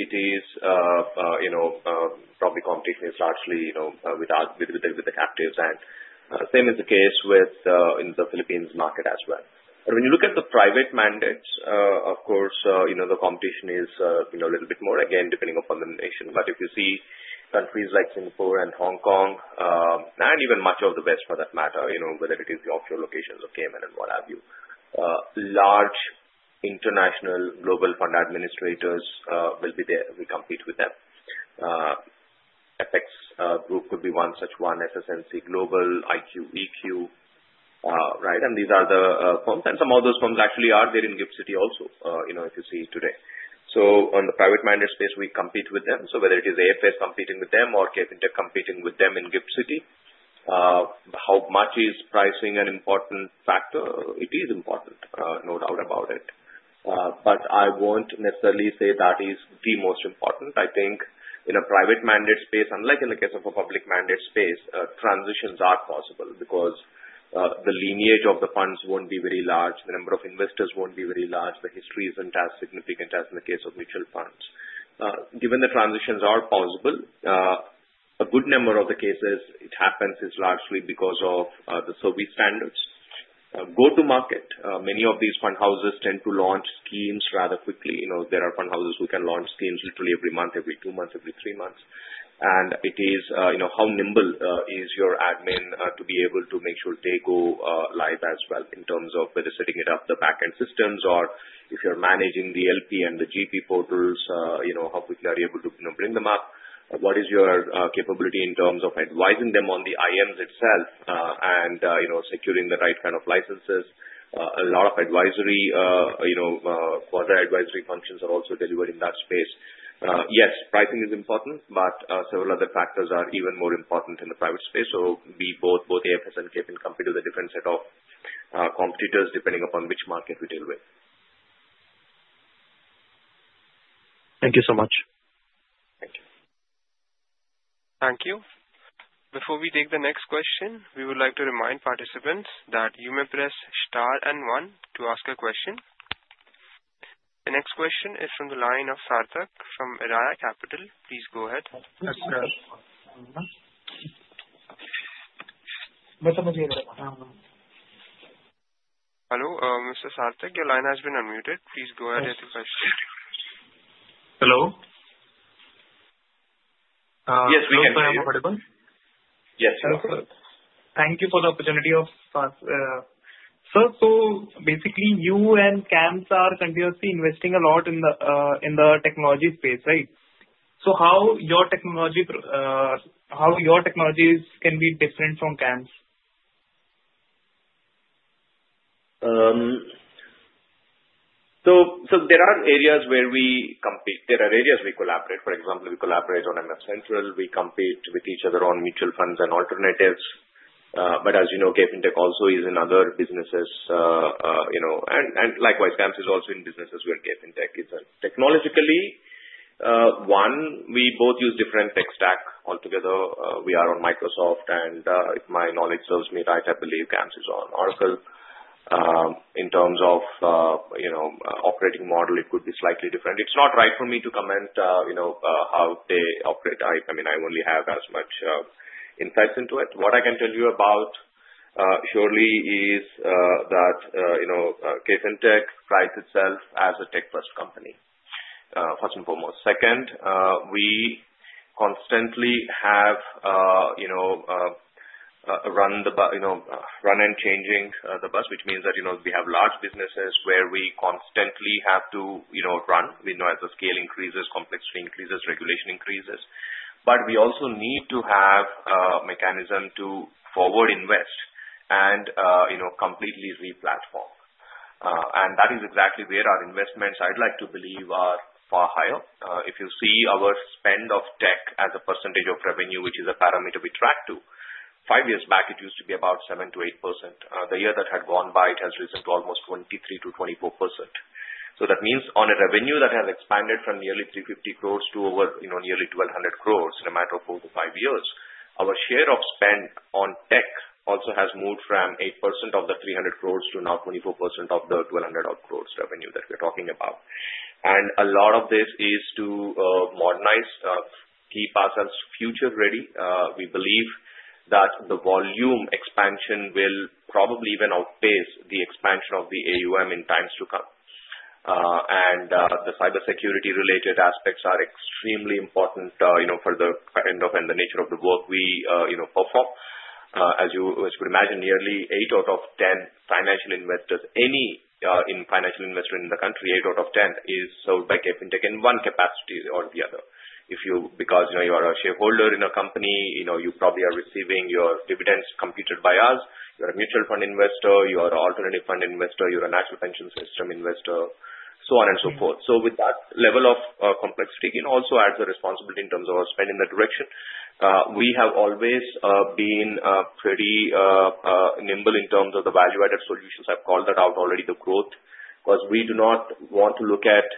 Speaker 3: competition is largely with the captives, and same is the case in the Philippines market as well. When you look at the private mandates, of course, the competition is a little bit more, again, depending upon the nation. If you see countries like Singapore and Hong Kong, and even much of the West for that matter, whether it is the offshore locations of Cayman and what have you, large international global fund administrators will be there. We compete with them. FX Group could be one such one, SS&C Global, IQ-EQ, right? These are the firms, and some of those firms actually are there in GIFT City also if you see today. On the private mandate space, we compete with them. Whether it is AFS competing with them or KFinTech competing with them in GIFT City, how much is pricing an important factor? It is important, no doubt about it. I won't necessarily say that is the most important. I think in a private mandate space, unlike in the case of a public mandate space, transitions are possible because the lineage of the funds won't be very large. The number of investors won't be very large. The history isn't as significant as in the case of mutual funds. Given that transitions are possible, a good number of the cases it happens is largely because of the service standards. Go to market. Many of these fund houses tend to launch schemes rather quickly. There are fund houses who can launch schemes literally every month, every two months, every three months. It is how nimble is your admin to be able to make sure they go live as well in terms of whether setting it up, the backend systems, or if you're managing the LP and the GP portals, how quickly are you able to bring them up? What is your capability in terms of advising them on the IMs itself and securing the right kind of licenses? A lot of advisory for the advisory functions are also delivered in that space. Yes, pricing is important, but several other factors are even more important in the private space. Both AFS and KFinTech compete with a different set of competitors depending upon which market we deal with.
Speaker 6: Thank you so much. Thank you.
Speaker 1: Thank you. Before we take the next question, we would like to remind participants that you may press star and one to ask a question. The next question is from the line of Sarthak from Iraya Capital. Please go ahead. Yes, sir. Hello, Mr. Sarthak. Your line has been unmuted. Please go ahead with your question.
Speaker 6: Hello. Yes, we can. Are you audible? Yes, sir. Thank you for the opportunity of us. Sir, you and CAMS are continuously investing a lot in the technology space, right? How your technologies can be different from CAMS?
Speaker 3: There are areas where we compete. There are areas we collaborate. For example, we collaborate on MF Central. We compete with each other on mutual funds and alternatives. As you know, KFinTech also is in other businesses. Likewise, CAMS is also in businesses where KFinTech is. Technologically, one, we both use different tech stack altogether. We are on Microsoft. If my knowledge serves me right, I believe CAMS is on Oracle. In terms of operating model, it could be slightly different. It's not right for me to comment how they operate. I mean, I only have as much insights into it. What I can tell you about surely is that KFinTech prides itself as a tech-first company, first and foremost. Second, we constantly have run and changing the bus, which means that we have large businesses where we constantly have to run as the scale increases, complexity increases, regulation increases. We also need to have a mechanism to forward invest and completely replatform. That is exactly where our investments, I'd like to believe, are far higher. If you see our spend of tech as a percentage of revenue, which is a parameter we track to, five years back, it used to be about 7-8%. The year that had gone by, it has risen to almost 23%-24%. That means on a revenue that has expanded from nearly 350 crore to over nearly 1,200 crore in a matter of four to five years, our share of spend on tech also has moved from 8% of the 300 crore to now 24% of the 1,200 crore revenue that we're talking about. A lot of this is to modernize, keep ourselves future-ready. We believe that the volume expansion will probably even outpace the expansion of the AUM in times to come. The cybersecurity-related aspects are extremely important for the kind of and the nature of the work we perform. As you could imagine, nearly eight out of 10 financial investors, any financial investor in the country, eight out of 10, is sold by KFinTech in one capacity or the other. Because you are a shareholder in a company, you probably are receiving your dividends computed by us. You're a mutual fund investor. You are an alternative fund investor. You're a National Pension System investor, so on and so forth. With that level of complexity, it also adds a responsibility in terms of our spend in that direction. We have always been pretty nimble in terms of the value-added solutions. I've called that out already, the growth, because we do not want to look at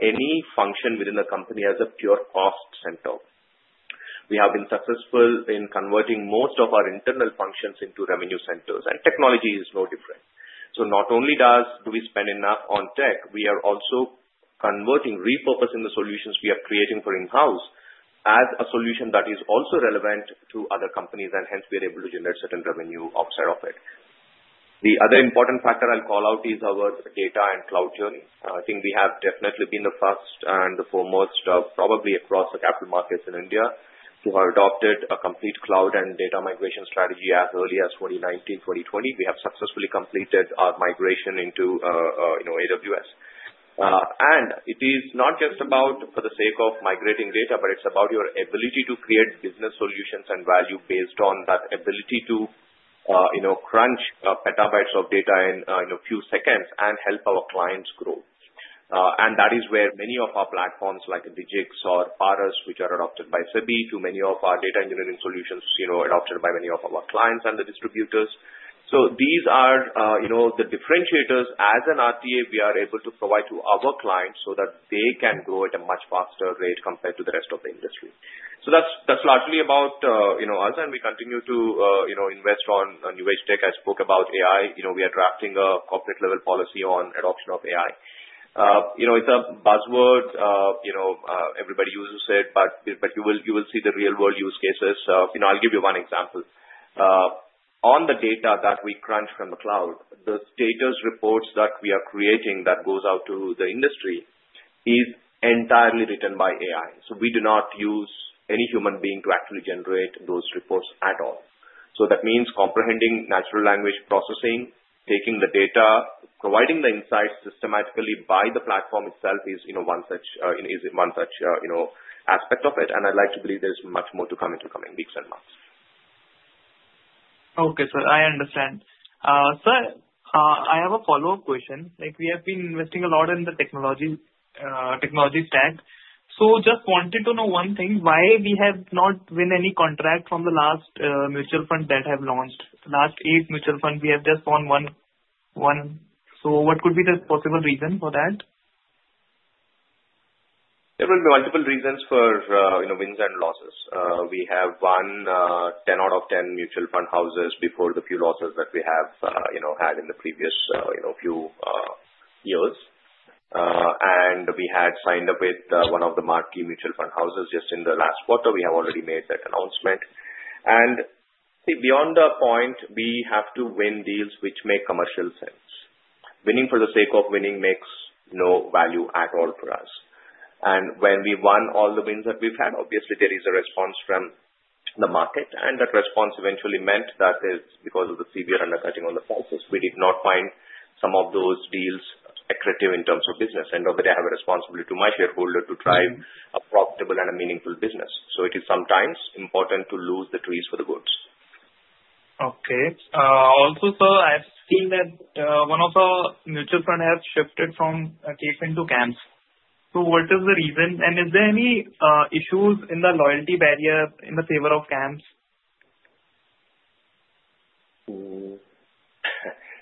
Speaker 3: any function within the company as a pure cost center. We have been successful in converting most of our internal functions into revenue centers. Technology is no different. Not only do we spend enough on tech, we are also converting, repurposing the solutions we are creating for in-house as a solution that is also relevant to other companies, and hence we are able to generate certain revenue offset of it. The other important factor I'll call out is our data and cloud journey. I think we have definitely been the first and the foremost of probably across the capital markets in India who have adopted a complete cloud and data migration strategy as early as 2019, 2020. We have successfully completed our migration into AWS. It is not just about for the sake of migrating data, but it's about your ability to create business solutions and value based on that ability to crunch petabytes of data in a few seconds and help our clients grow. That is where many of our platforms like Digix or Paras, which are adopted by SEBI, to many of our data engineering solutions adopted by many of our clients and the distributors. These are the differentiators. As an RTA, we are able to provide to our clients so that they can grow at a much faster rate compared to the rest of the industry. That is largely about us, and we continue to invest on new-age tech. I spoke about AI. We are drafting a corporate-level policy on adoption of AI. It is a buzzword. Everybody uses it, but you will see the real-world use cases. I will give you one example. On the data that we crunch from the cloud, the data reports that we are creating that goes out to the industry is entirely written by AI. We do not use any human being to actually generate those reports at all. That means comprehending natural language processing, taking the data, providing the insights systematically by the platform itself is one such aspect of it. I would like to believe there is much more to come in the coming weeks and months.
Speaker 6: Okay, sir. I understand. Sir, I have a follow-up question. We have been investing a lot in the technology stack. I just wanted to know one thing. Why have we not won any contract from the last mutual fund that have launched? Last eight mutual funds, we have just won one. What could be the possible reason for that?
Speaker 3: There will be multiple reasons for wins and losses. We have won 10 out of 10 mutual fund houses before the few losses that we have had in the previous few years. We had signed up with one of the marquee mutual fund houses just in the last quarter. We have already made that announcement. Beyond that point, we have to win deals which make commercial sense. Winning for the sake of winning makes no value at all for us. When we won all the wins that we've had, obviously, there is a response from the market. That response eventually meant that because of the severe undercutting on the prices, we did not find some of those deals attractive in terms of business. Over there, I have a responsibility to my shareholder to drive a profitable and a meaningful business. It is sometimes important to lose the trees for the goods.
Speaker 6: Okay. Also, sir, I've seen that one of our mutual funds has shifted from KFin Technologies to CAMS. What is the reason? Is there any issues in the loyalty barrier in the favor of CAMS?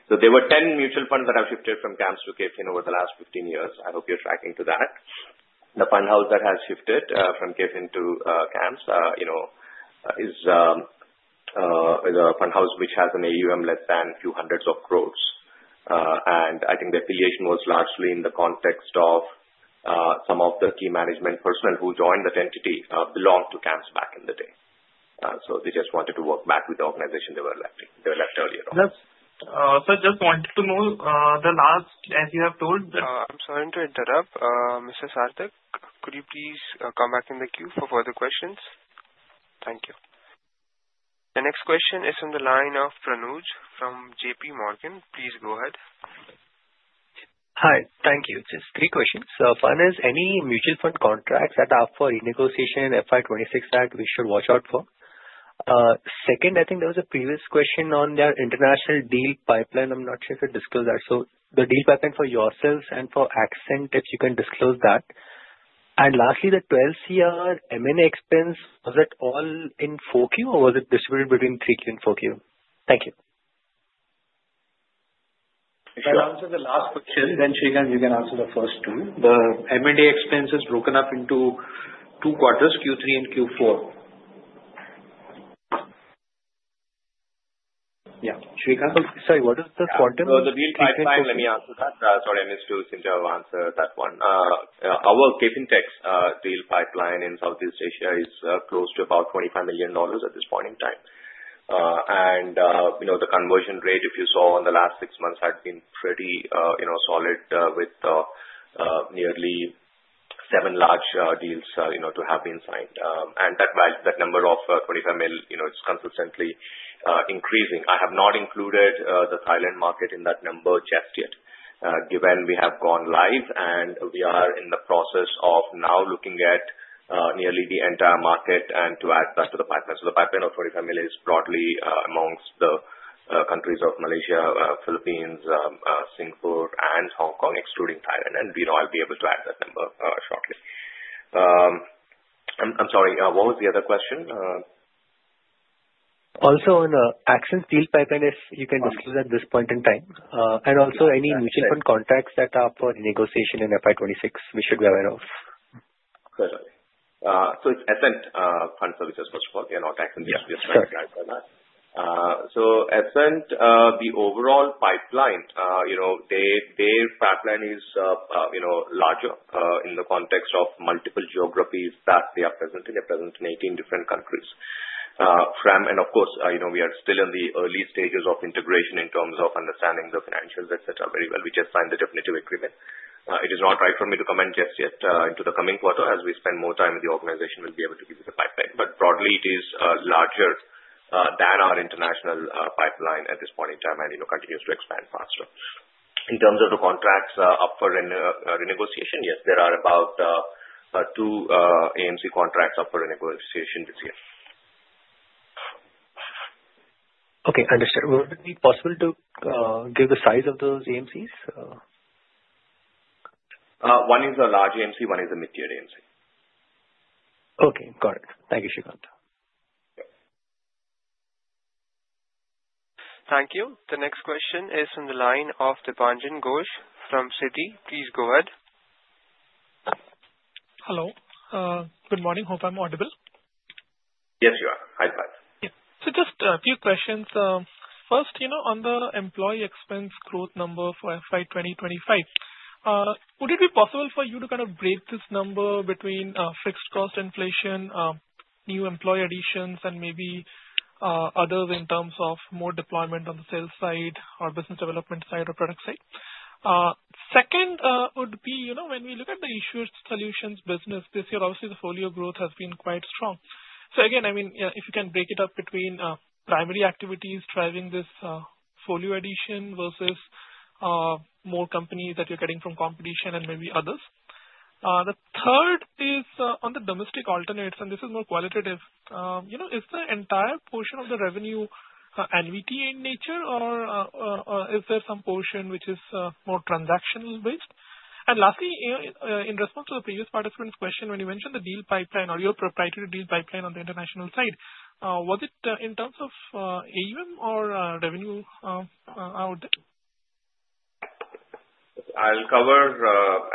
Speaker 3: There were 10 mutual funds that have shifted from CAMS to KFinTech over the last 15 years. I hope you're tracking to that. The fund house that has shifted from KFinTech to CAMS is a fund house which has an AUM less than a few hundreds of crores. I think the affiliation was largely in the context of some of the key management personnel who joined that entity belonged to CAMS back in the day. They just wanted to work back with the organization they left earlier on.
Speaker 6: Yes. Sir, just wanted to know the last, as you have told.
Speaker 1: I'm sorry to interrupt. Mr. Sarthak, could you please come back in the queue for further questions? Thank you. The next question is from the line of Pranuj from JPMorgan. Please go ahead.
Speaker 6: Hi. Thank you. Just three questions. First is, any mutual fund contracts that are up for renegotiation in FY26 that we should watch out for? Second, I think there was a previous question on the international deal pipeline. I'm not sure if you disclosed that. The deal pipeline for yourselves and for Accent Tech, if you can disclose that. Lastly, the 12 crore M&A expense, was it all in Q4 or was it distributed between Q3 and Q4? Thank you.
Speaker 4: If I answer the last question, then Sreekanth, you can answer the first two. The M&A expense is broken up into two quarters, Q3 and Q4. Yeah. Sreekanth? Sorry, what is the quarter?
Speaker 3: The deal pipeline, let me answer that. Sorry, I missed you. Since I will answer that one. Our KFinTech deal pipeline in Southeast Asia is close to about $25 million at this point in time. The conversion rate, if you saw in the last six months, had been pretty solid with nearly seven large deals to have been signed. That number of $25 million, it's consistently increasing. I have not included the Thailand market in that number just yet, given we have gone live and we are in the process of now looking at nearly the entire market and to add that to the pipeline. The pipeline of $25 million is broadly amongst the countries of Malaysia, Philippines, Singapore, and Hong Kong, excluding Thailand. I'll be able to add that number shortly. I'm sorry. What was the other question?
Speaker 6: Also on the Accent deal pipeline, if you can disclose at this point in time. Also, any mutual fund contracts that are up for renegotiation in FY26, we should be aware of.
Speaker 3: Certainly. It is Essent Fund Services, first of all. They are not Accent. They are just friends and guys by that. Essent, the overall pipeline, their pipeline is larger in the context of multiple geographies that they are present in. They are present in 18 different countries. Of course, we are still in the early stages of integration in terms of understanding the financials, etc., very well. We just signed the definitive agreement. It is not right for me to comment just yet into the coming quarter. As we spend more time in the organization, we will be able to give you the pipeline. Broadly, it is larger than our international pipeline at this point in time and continues to expand faster. In terms of the contracts up for renegotiation, yes, there are about two AMC contracts up for renegotiation this year.
Speaker 6: Okay. Understood. Would it be possible to give the size of those AMCs?
Speaker 3: One is a large AMC. One is a mid-tier AMC.
Speaker 6: Okay. Got it. Thank you, Sreekanth.
Speaker 1: Thank you. The next question is from the line of Dipanjan Ghosh from Citi. Please go ahead.
Speaker 7: Hello. Good morning. Hope I'm audible. Yes, you are. Hi, Pat. Just a few questions. First, on the employee expense growth number for FY2025, would it be possible for you to kind of break this number between fixed cost inflation, new employee additions, and maybe others in terms of more deployment on the sales side or business development side or product side? Second would be when we look at the issuer solutions business this year, obviously, the folio growth has been quite strong. Again, I mean, if you can break it up between primary activities driving this folio addition versus more companies that you're getting from competition and maybe others. The third is on the domestic alternates, and this is more qualitative. Is the entire portion of the revenue NVT in nature, or is there some portion which is more transactional-based? Lastly, in response to the previous participant's question, when you mentioned the deal pipeline or your proprietary deal pipeline on the international side, was it in terms of AUM or revenue out there?
Speaker 3: I'll cover,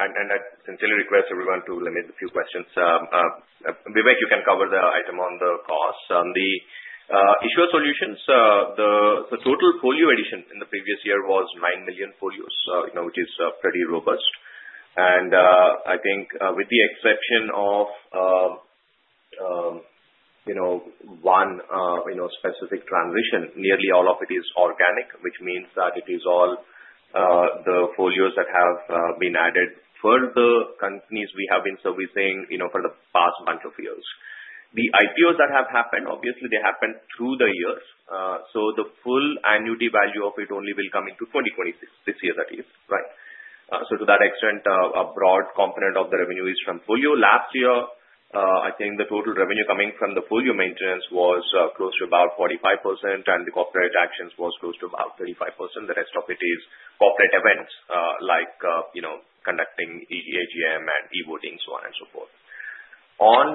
Speaker 3: and I sincerely request everyone to limit a few questions. Vivek, you can cover the item on the cost. On the issuer solutions, the total folio addition in the previous year was 9 million folios, which is pretty robust. I think with the exception of one specific transition, nearly all of it is organic, which means that it is all the folios that have been added for the companies we have been servicing for the past bunch of years. The IPOs that have happened, obviously, they happened through the years. The full annuity value of it only will come into 2026 this year, that is, right? To that extent, a broad component of the revenue is from folio. Last year, I think the total revenue coming from the folio maintenance was close to about 45%, and the corporate actions was close to about 35%. The rest of it is corporate events like conducting EGM and e-voting, so on and so forth. On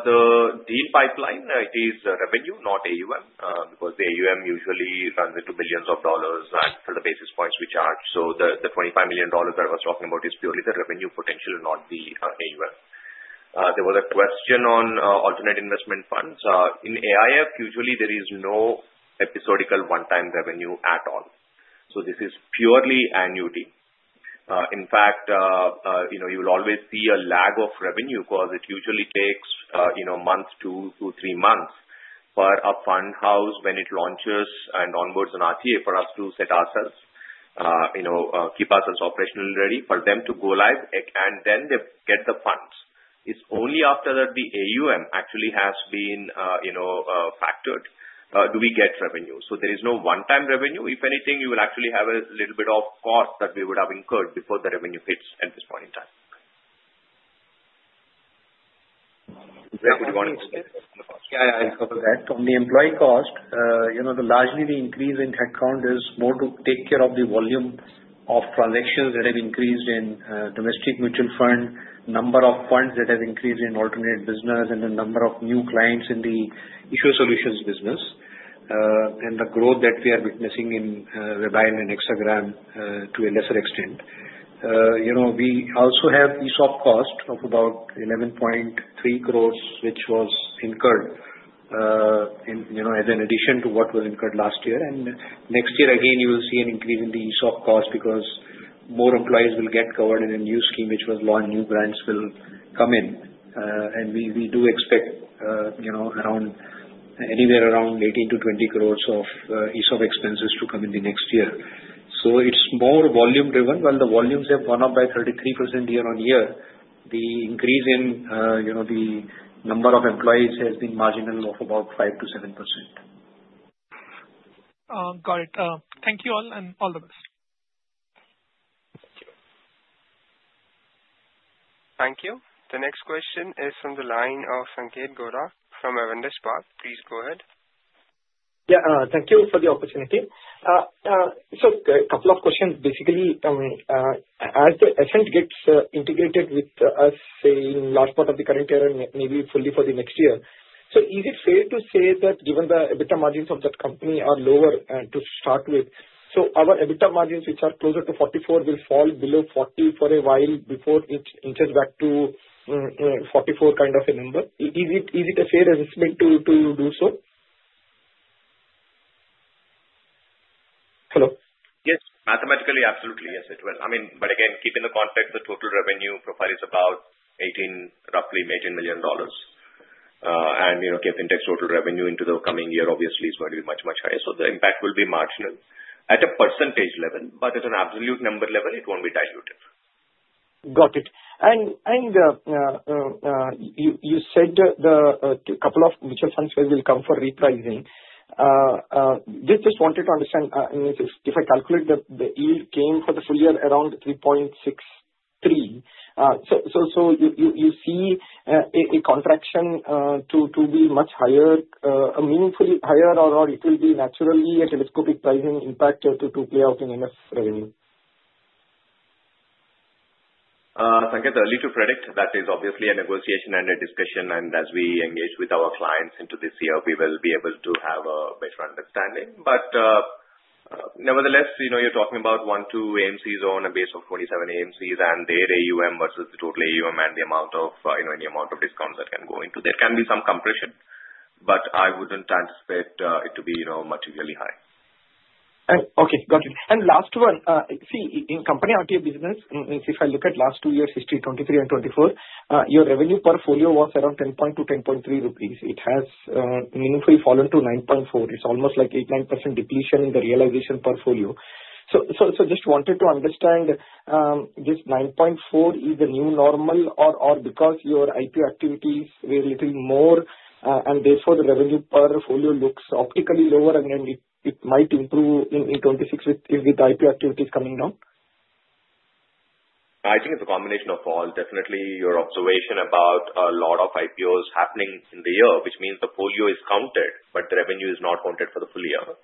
Speaker 3: the deal pipeline, it is revenue, not AUM, because the AUM usually runs into billions of dollars for the basis points we charge. The $25 million that I was talking about is purely the revenue potential, not the AUM. There was a question on alternate investment funds. In AIF, usually there is no episodical one-time revenue at all. This is purely annuity. In fact, you will always see a lag of revenue because it usually takes a month to two to three months for a fund house when it launches and onboards an RTA for us to set ourselves, keep ourselves operationally ready for them to go live, and then they get the funds. It is only after that the AUM actually has been factored do we get revenue. There is no one-time revenue. If anything, you will actually have a little bit of cost that we would have incurred before the revenue hits at this point in time. Vivek, would you want to explain?
Speaker 4: Yeah, I'll cover that. On the employee cost, largely the increase in headcount is more to take care of the volume of transactions that have increased in domestic mutual fund, number of funds that have increased in alternate business, and the number of new clients in the issuer solutions business. The growth that we are witnessing in Rebind and Hexagram to a lesser extent. We also have ESOP cost of about 11.3 crore, which was incurred as an addition to what was incurred last year. Next year, again, you will see an increase in the ESOP cost because more employees will get covered in a new scheme, which was launched. New grants will come in. We do expect anywhere around 18-20 crore of ESOP expenses to come in the next year. It is more volume-driven. While the volumes have gone up by 33% year on year, the increase in the number of employees has been marginal of about 5-7%.
Speaker 7: Got it. Thank you all and all the best. Thank you.
Speaker 1: Thank you. The next question is from the line of Sanketh Gowda from Avendus Capital. Please go ahead.
Speaker 8: Yeah. Thank you for the opportunity. A couple of questions. Basically, as the Essent gets integrated with us in large part of the current year, maybe fully for the next year, is it fair to say that given the EBITDA margins of that company are lower to start with, our EBITDA margins, which are closer to 44%, will fall below 40% for a while before it inches back to 44% kind of a number? Is it a fair assessment to do so? Hello? Yes. Mathematically, absolutely, yes, it will. I mean, again, keeping the context, the total revenue profile is about $18 million. And KFinTech's total revenue into the coming year, obviously, is going to be much, much higher. The impact will be marginal at a percentage level, but at an absolute number level, it will not be diluted. Got it. You said a couple of mutual funds will come for repricing. Just wanted to understand, if I calculate the yield came for the full year around 3.63, do you see a contraction to be much higher, meaningfully higher, or will it be naturally a telescopic pricing impact to play out in enough revenue?
Speaker 3: Sanketh, early to predict, that is obviously a negotiation and a discussion. As we engage with our clients into this year, we will be able to have a better understanding. Nevertheless, you're talking about one to two AMCs on a base of 27 AMCs and their AUM versus the total AUM and the amount of any amount of discounts that can go into. There can be some compression, but I wouldn't anticipate it to be materially high.
Speaker 8: Okay. Got it. Last one. See, in company RTA business, if I look at last two years, history 2023 and 2024, your revenue portfolio was around 10.2, 10.3 rupees. It has meaningfully fallen to 9.4. It's almost like 8-9% depletion in the realization portfolio. Just wanted to understand, is this 9.4 a new normal or because your IPO activities were a little more, and therefore the revenue portfolio looks optically lower, and then it might improve in 2026 with the IPO activities coming down?
Speaker 3: I think it's a combination of all. Definitely your observation about a lot of IPOs happening in the year, which means the folio is counted, but the revenue is not counted for the full year.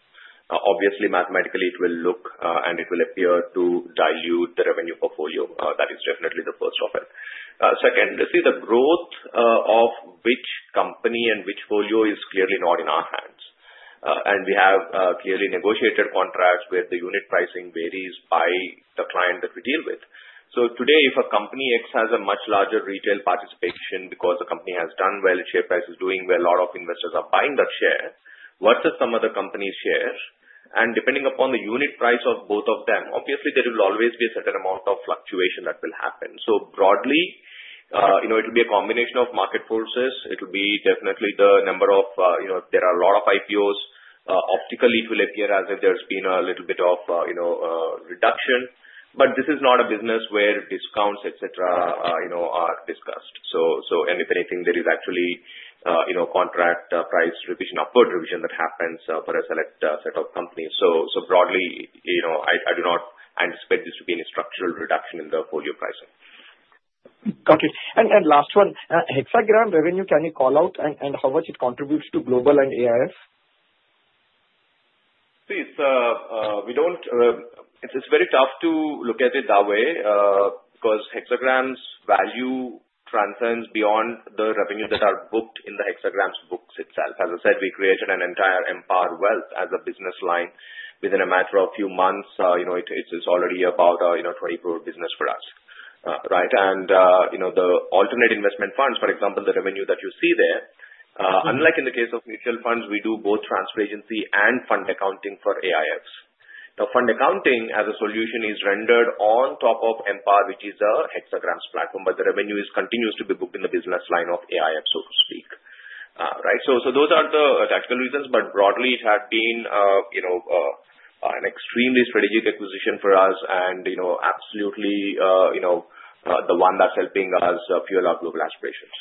Speaker 3: Obviously, mathematically, it will look and it will appear to dilute the revenue portfolio. That is definitely the first of it. Second, the growth of which company and which folio is clearly not in our hands. We have clearly negotiated contracts where the unit pricing varies by the client that we deal with. Today, if a company X has a much larger retail participation because the company has done well, share price is doing well, a lot of investors are buying that share, what does some of the companies share? Depending upon the unit price of both of them, obviously, there will always be a certain amount of fluctuation that will happen. Broadly, it will be a combination of market forces. It will be definitely the number of there are a lot of IPOs. Optically, it will appear as if there has been a little bit of reduction, but this is not a business where discounts, etc., are discussed. If anything, there is actually contract price revision, upward revision that happens for a select set of companies. Broadly, I do not anticipate this to be any structural reduction in the folio pricing.
Speaker 8: Got it. Last one, Hexagram revenue, can you call out and how much it contributes to global and AIF?
Speaker 3: See, it is very tough to look at it that way because Hexagram's value transcends beyond the revenues that are booked in Hexagram's books itself. As I said, we created an entire M-Power Wealth as a business line within a matter of a few months. It's already about a 20 crore business for us, right? The alternate investment funds, for example, the revenue that you see there, unlike in the case of mutual funds, we do both transfer agency and fund accounting for AIFs. Now, fund accounting as a solution is rendered on top of M-Power, which is Hexagram's platform, but the revenue continues to be booked in the business line of AIF, so to speak, right? Those are the tactical reasons, but broadly, it had been an extremely strategic acquisition for us and absolutely the one that's helping us fuel our global aspirations.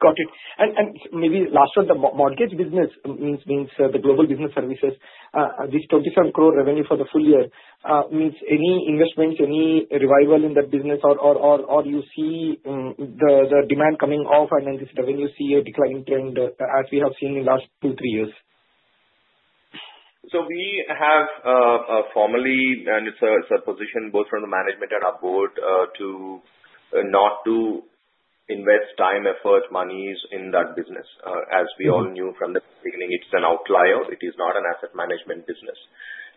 Speaker 8: Got it. Maybe last one, the mortgage business means the global business services. 27 crore revenue for the full year means any investments, any revival in that business, or you see the demand coming off, and then this revenue see a declining trend as we have seen in the last two, three years?
Speaker 3: We have formally, and it's a position both from the management and our board to not invest time, effort, money in that business. As we all knew from the beginning, it's an outlier. It is not an asset management business.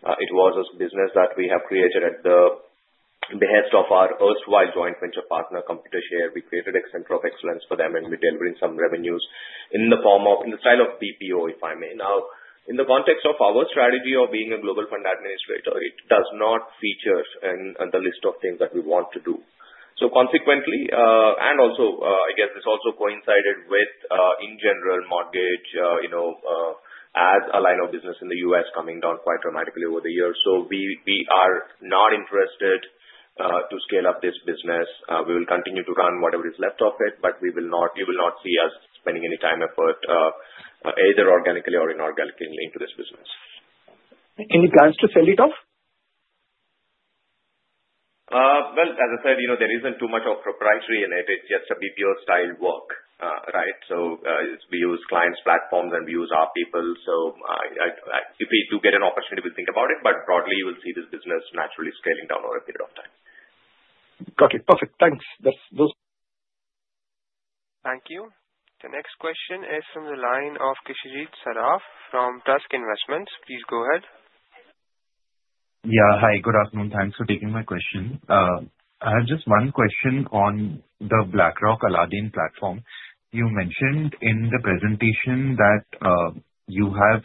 Speaker 3: It was a business that we have created at the behest of our erstwhile joint venture partner, Computershare. We created a center of excellence for them, and we're delivering some revenues in the form of in the style of BPO, if I may. Now, in the context of our strategy of being a global fund administrator, it does not feature in the list of things that we want to do. Consequently, I guess this also coincided with, in general, mortgage as a line of business in the U.S. coming down quite dramatically over the years. We are not interested to scale up this business. We will continue to run whatever is left of it, but you will not see us spending any time, effort, either organically or inorganically into this business.
Speaker 8: Any plans to sell it off?
Speaker 3: As I said, there is not too much of proprietary in it. It is just a BPO-style work, right? We use clients' platforms, and we use our people. If we do get an opportunity, we'll think about it, but broadly, you will see this business naturally scaling down over a period of time.
Speaker 8: Got it. Perfect. Thanks. That's those.
Speaker 1: Thank you. The next question is from the line of Kshitij Saraf from Tusk Investments. Please go ahead.
Speaker 9: Yeah. Hi. Good afternoon. Thanks for taking my question. I have just one question on the BlackRock Aladdin platform. You mentioned in the presentation that you have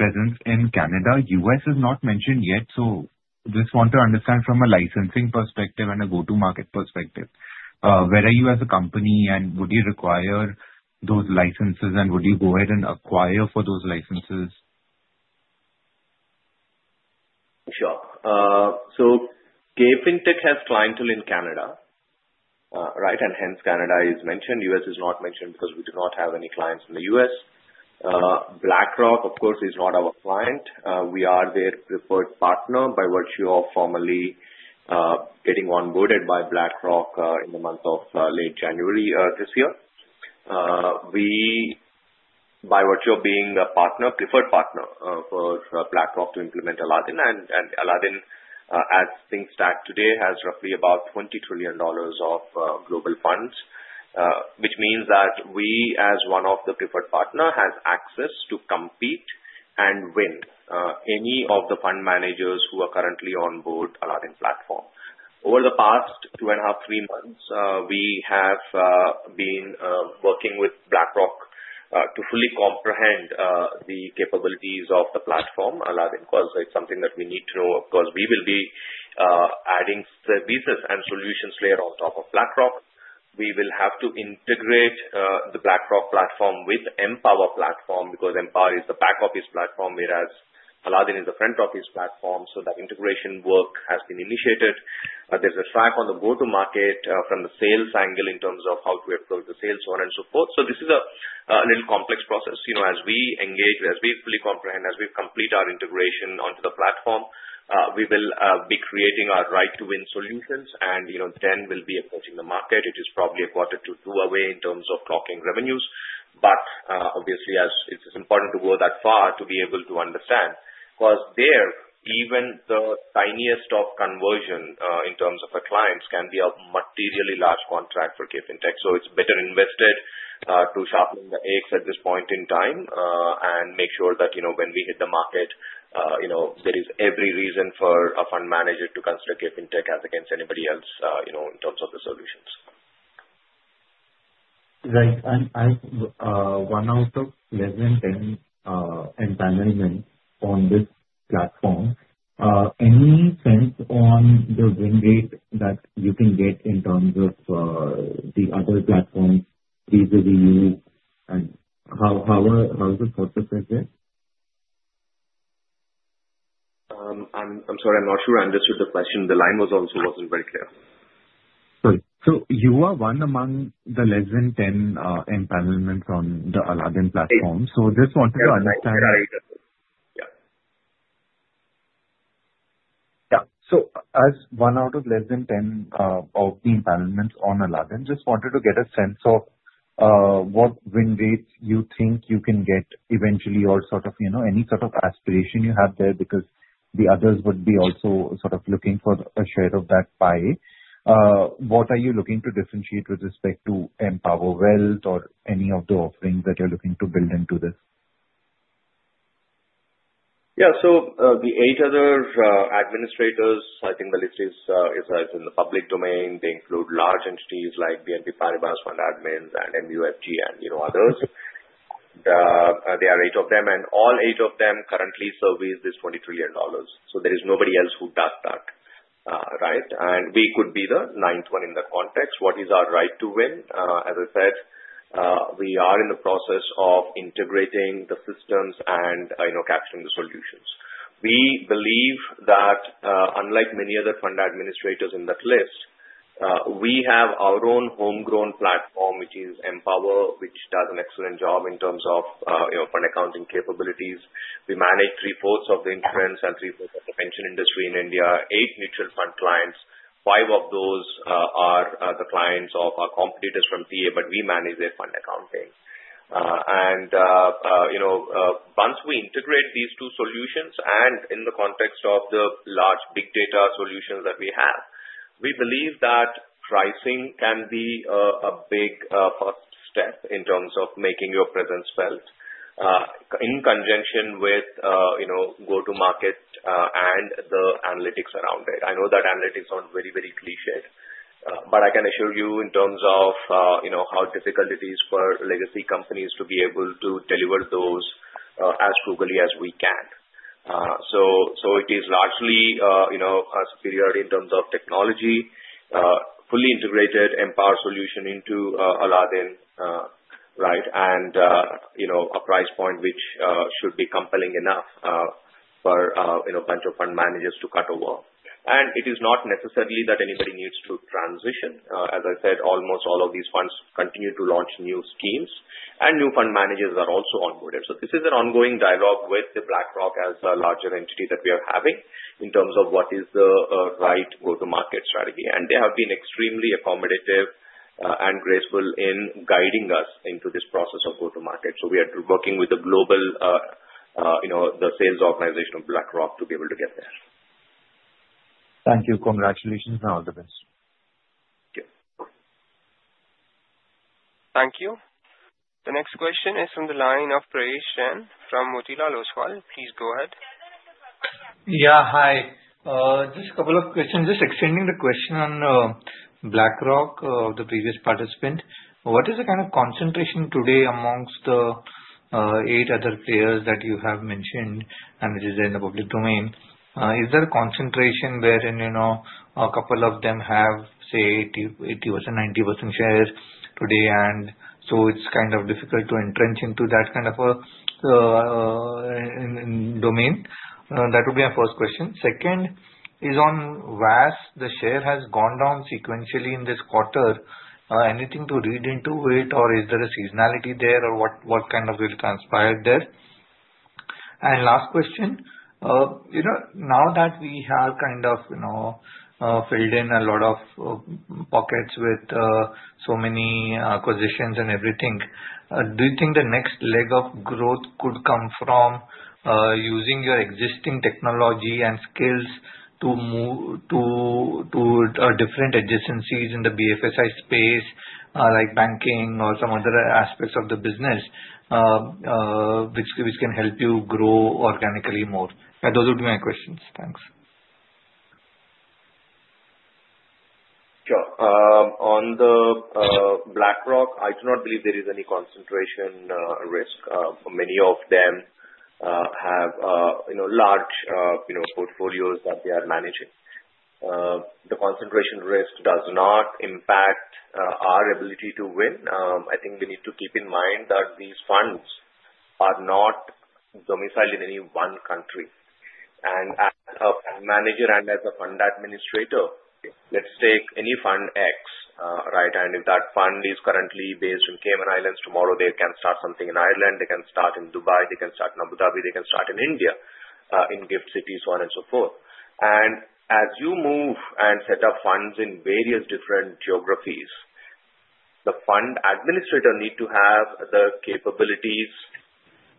Speaker 9: presence in Canada. US is not mentioned yet, so just want to understand from a licensing perspective and a go-to-market perspective. Where are you as a company, and would you require those licenses, and would you go ahead and acquire for those licenses?
Speaker 3: Sure. KFinTech has clientele in Canada, right? And hence, Canada is mentioned. US is not mentioned because we do not have any clients in the US. BlackRock, of course, is not our client. We are their preferred partner by virtue of formally getting onboarded by BlackRock in the month of late January this year. We, by virtue of being a preferred partner for BlackRock to implement Aladdin, and Aladdin, as things stand today, has roughly about $20 trillion of global funds, which means that we, as one of the preferred partners, have access to compete and win any of the fund managers who are currently onboard Aladdin platform. Over the past two and a half, three months, we have been working with BlackRock to fully comprehend the capabilities of the platform, Aladdin, because it's something that we need to know. Of course, we will be adding services and solutions layer on top of BlackRock. We will have to integrate the BlackRock platform with Empower platform because Empower is the back of his platform, whereas Aladdin is the front of his platform. That integration work has been initiated. There's a track on the go-to-market from the sales angle in terms of how to approach the sales, so on and so forth. This is a little complex process. As we engage, as we fully comprehend, as we complete our integration onto the platform, we will be creating our right-to-win solutions, and then we'll be approaching the market. It is probably a quarter to two away in terms of clocking revenues. Obviously, it's important to go that far to be able to understand because there, even the tiniest of conversion in terms of our clients can be a materially large contract for KFinTech. It is better invested to sharpen the axes at this point in time and make sure that when we hit the market, there is every reason for a fund manager to consider KFinTech as against anybody else in terms of the solutions.
Speaker 9: Right. One out of less than 10 entanglement on this platform. Any sense on the win rate that you can get in terms of the other platforms vis-à-vis you? And how is the process like there?
Speaker 3: I'm sorry. I'm not sure I understood the question. The line also wasn't very clear.
Speaker 9: Sorry. You are one among the less than 10 entanglements on the Aladdin platform.
Speaker 3: Just wanted to understand. Yeah. Yeah.
Speaker 9: As one out of less than 10 of the entanglements on Aladdin, just wanted to get a sense of what win rates you think you can get eventually or sort of any sort of aspiration you have there because the others would be also sort of looking for a share of that pie. What are you looking to differentiate with respect to Empower Wealth or any of the offerings that you're looking to build into this?
Speaker 3: Yeah. The eight other administrators, I think the list is in the public domain. They include large entities like BNP Paribas, Fund Admins, and MUFG, and others. There are eight of them, and all eight of them currently survey this $20 trillion. There is nobody else who does that, right? We could be the ninth one in that context. What is our right-to-win? As I said, we are in the process of integrating the systems and capturing the solutions. We believe that, unlike many other fund administrators in that list, we have our own homegrown platform, which is Empower, which does an excellent job in terms of fund accounting capabilities. We manage three-fourths of the insurance and three-fourths of the pension industry in India. Eight mutual fund clients. Five of those are the clients of our competitors from TA, but we manage their fund accounting. Once we integrate these two solutions and in the context of the large big data solutions that we have, we believe that pricing can be a big first step in terms of making your presence felt in conjunction with go-to-market and the analytics around it. I know that analytics sound very, very cliched, but I can assure you in terms of how difficult it is for legacy companies to be able to deliver those as frugally as we can. It is largely superior in terms of technology, fully integrated Empower solution into Aladdin, right? A price point which should be compelling enough for a bunch of fund managers to cut away. It is not necessarily that anybody needs to transition. As I said, almost all of these funds continue to launch new schemes, and new fund managers are also onboarded. This is an ongoing dialogue with BlackRock as a larger entity that we are having in terms of what is the right go-to-market strategy. They have been extremely accommodative and graceful in guiding us into this process of go-to-market. We are working with the global sales organization of BlackRock to be able to get there.
Speaker 9: Thank you. Congratulations and all the best. Thank you.
Speaker 1: Thank you. The next question is from the line of Praveen Shen from Motilal Oswal. Please go ahead.
Speaker 10: Yeah. Hi. Just a couple of questions. Just extending the question on BlackRock, the previous participant. What is the kind of concentration today amongst the eight other players that you have mentioned? And it is in the public domain. Is there a concentration wherein a couple of them have, say, 80%, 90% shares today? It is kind of difficult to entrench into that kind of a domain. That would be my first question. Second is on AWS, the share has gone down sequentially in this quarter. Anything to read into it, or is there a seasonality there, or what kind of will transpire there? Last question. Now that we have kind of filled in a lot of pockets with so many acquisitions and everything, do you think the next leg of growth could come from using your existing technology and skills to different adjacencies in the BFSI space, like banking or some other aspects of the business, which can help you grow organically more? Those would be my questions. Thanks.
Speaker 3: Sure. On the BlackRock, I do not believe there is any concentration risk. Many of them have large portfolios that they are managing. The concentration risk does not impact our ability to win. I think we need to keep in mind that these funds are not domiciled in any one country. As a fund manager and as a fund administrator, let's take any fund X, right? If that fund is currently based in Cayman Islands, tomorrow they can start something in Ireland, they can start in Dubai, they can start in Abu Dhabi, they can start in India, in GIFT City, so on and so forth. As you move and set up funds in various different geographies, the fund administrator needs to have the capabilities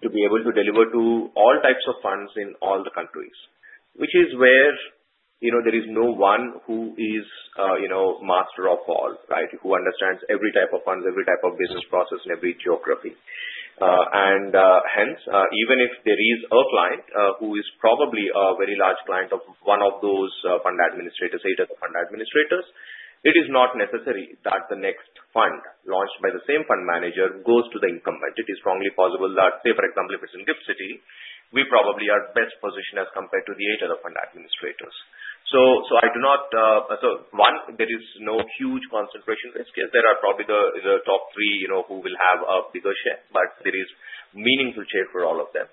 Speaker 3: to be able to deliver to all types of funds in all the countries, which is where there is no one who is master of all, right, who understands every type of funds, every type of business process, and every geography. Hence, even if there is a client who is probably a very large client of one of those fund administrators, eight of the fund administrators, it is not necessary that the next fund launched by the same fund manager goes to the incumbent. It is strongly possible that, say, for example, if it's in GIFT City, we probably are best positioned as compared to the eight other fund administrators. I do not, so one, there is no huge concentration risk here. There are probably the top three who will have a bigger share, but there is meaningful share for all of them.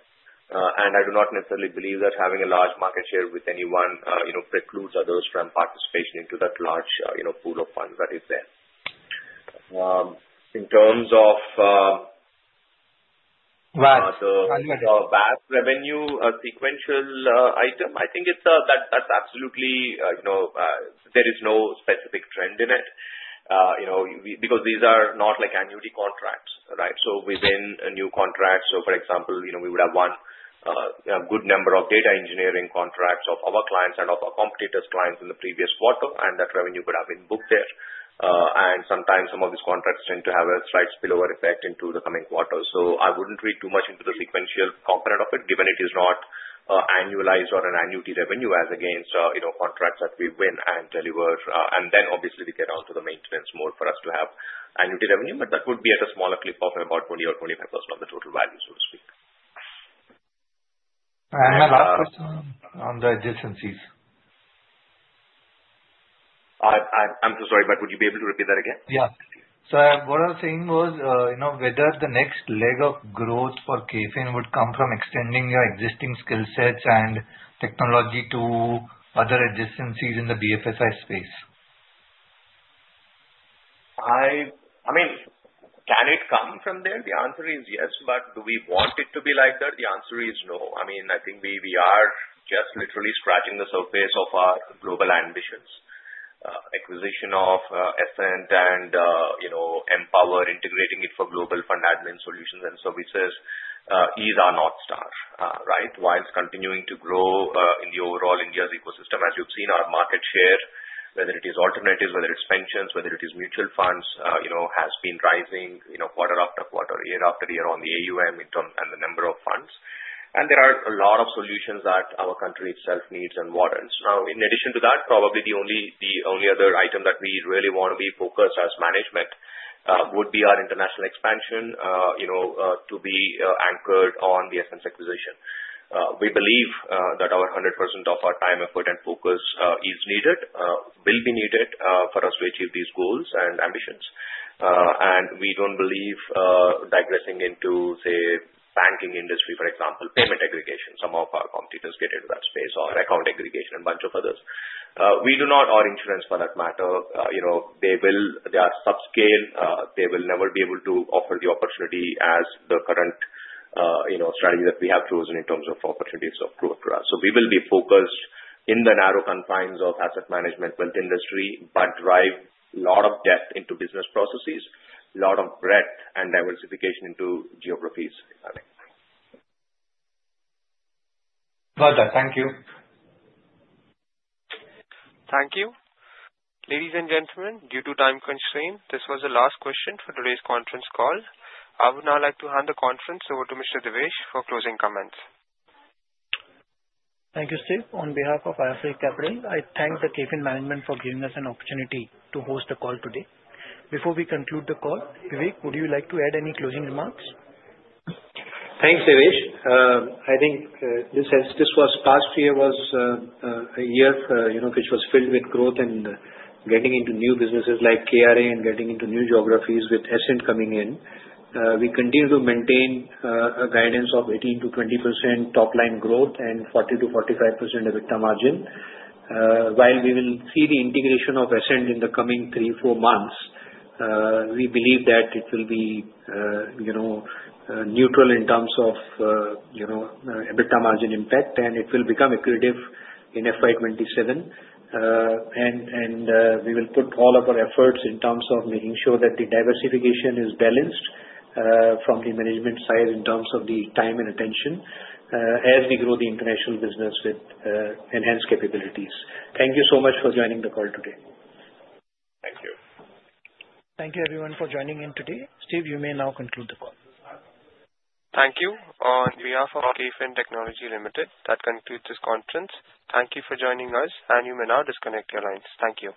Speaker 3: I do not necessarily believe that having a large market share with anyone precludes others from participation into that large pool of funds that is there. In terms of the WAS revenue sequential item, I think that's absolutely, there is no specific trend in it because these are not like annuity contracts, right? Within a new contract, for example, we would have one good number of data engineering contracts of our clients and of our competitors' clients in the previous quarter, and that revenue would have been booked there. Sometimes some of these contracts tend to have a slight spillover effect into the coming quarter. I would not read too much into the sequential component of it, given it is not annualized or an annuity revenue as against contracts that we win and deliver. Obviously, we get onto the maintenance mode for us to have annuity revenue, but that would be at a smaller clip of about 20% or 25% of the total value, so to speak.
Speaker 10: My last question on the adjacencies.
Speaker 3: I'm so sorry, but would you be able to repeat that again? Yeah.
Speaker 10: What I was saying was whether the next leg of growth for KFin would come from extending your existing skill sets and technology to other adjacencies in the BFSI space.
Speaker 3: I mean, can it come from there? The answer is yes, but do we want it to be like that? The answer is no. I mean, I think we are just literally scratching the surface of our global ambitions. Acquisition of Essent and Empower, integrating it for global fund admin solutions and services, these are North Star, right? While continuing to grow in the overall India's ecosystem, as you've seen, our market share, whether it is alternatives, whether it's pensions, whether it is mutual funds, has been rising quarter after quarter, year after year on the AUM and the number of funds. There are a lot of solutions that our country itself needs and wants. Now, in addition to that, probably the only other item that we really want to be focused as management would be our international expansion to be anchored on the Essent acquisition. We believe that 100% of our time, effort, and focus is needed, will be needed for us to achieve these goals and ambitions. We do not believe digressing into, say, banking industry, for example, payment aggregation, some of our competitors get into that space, or account aggregation, and a bunch of others. We do not, our insurance, for that matter, they are subscale. They will never be able to offer the opportunity as the current strategy that we have chosen in terms of opportunities of growth for us. We will be focused in the narrow confines of asset management, built industry, but drive a lot of depth into business processes, a lot of breadth, and diversification into geographies.
Speaker 10: Got it. Thank you.
Speaker 1: Thank you. Ladies and gentlemen, due to time constraint, this was the last question for today's conference call. I would now like to hand the conference over to Mr. Devesh for closing comments.
Speaker 2: Thank you, Steve. On behalf of IIFL Capital Services, I thank the KFin Technologies management for giving us an opportunity to host the call today. Before we conclude the call, Vivek, would you like to add any closing remarks?
Speaker 4: Thanks, Devesh. I think this past year was a year which was filled with growth and getting into new businesses like KRA and getting into new geographies with Essent coming in. We continue to maintain a guidance of 18%-20% top-line growth and 40%-45% EBITDA margin.
Speaker 3: While we will see the integration of Essent in the coming three, four months, we believe that it will be neutral in terms of EBITDA margin impact, and it will become accretive in FY 2027. We will put all of our efforts in terms of making sure that the diversification is balanced from the management side in terms of the time and attention as we grow the international business with enhanced capabilities. Thank you so much for joining the call today. Thank you. Thank you, everyone, for joining in today. Steve, you may now conclude the call.
Speaker 1: Thank you. On behalf of KFin Technologies Limited, that concludes this conference. Thank you for joining us, and you may now disconnect your lines. Thank you.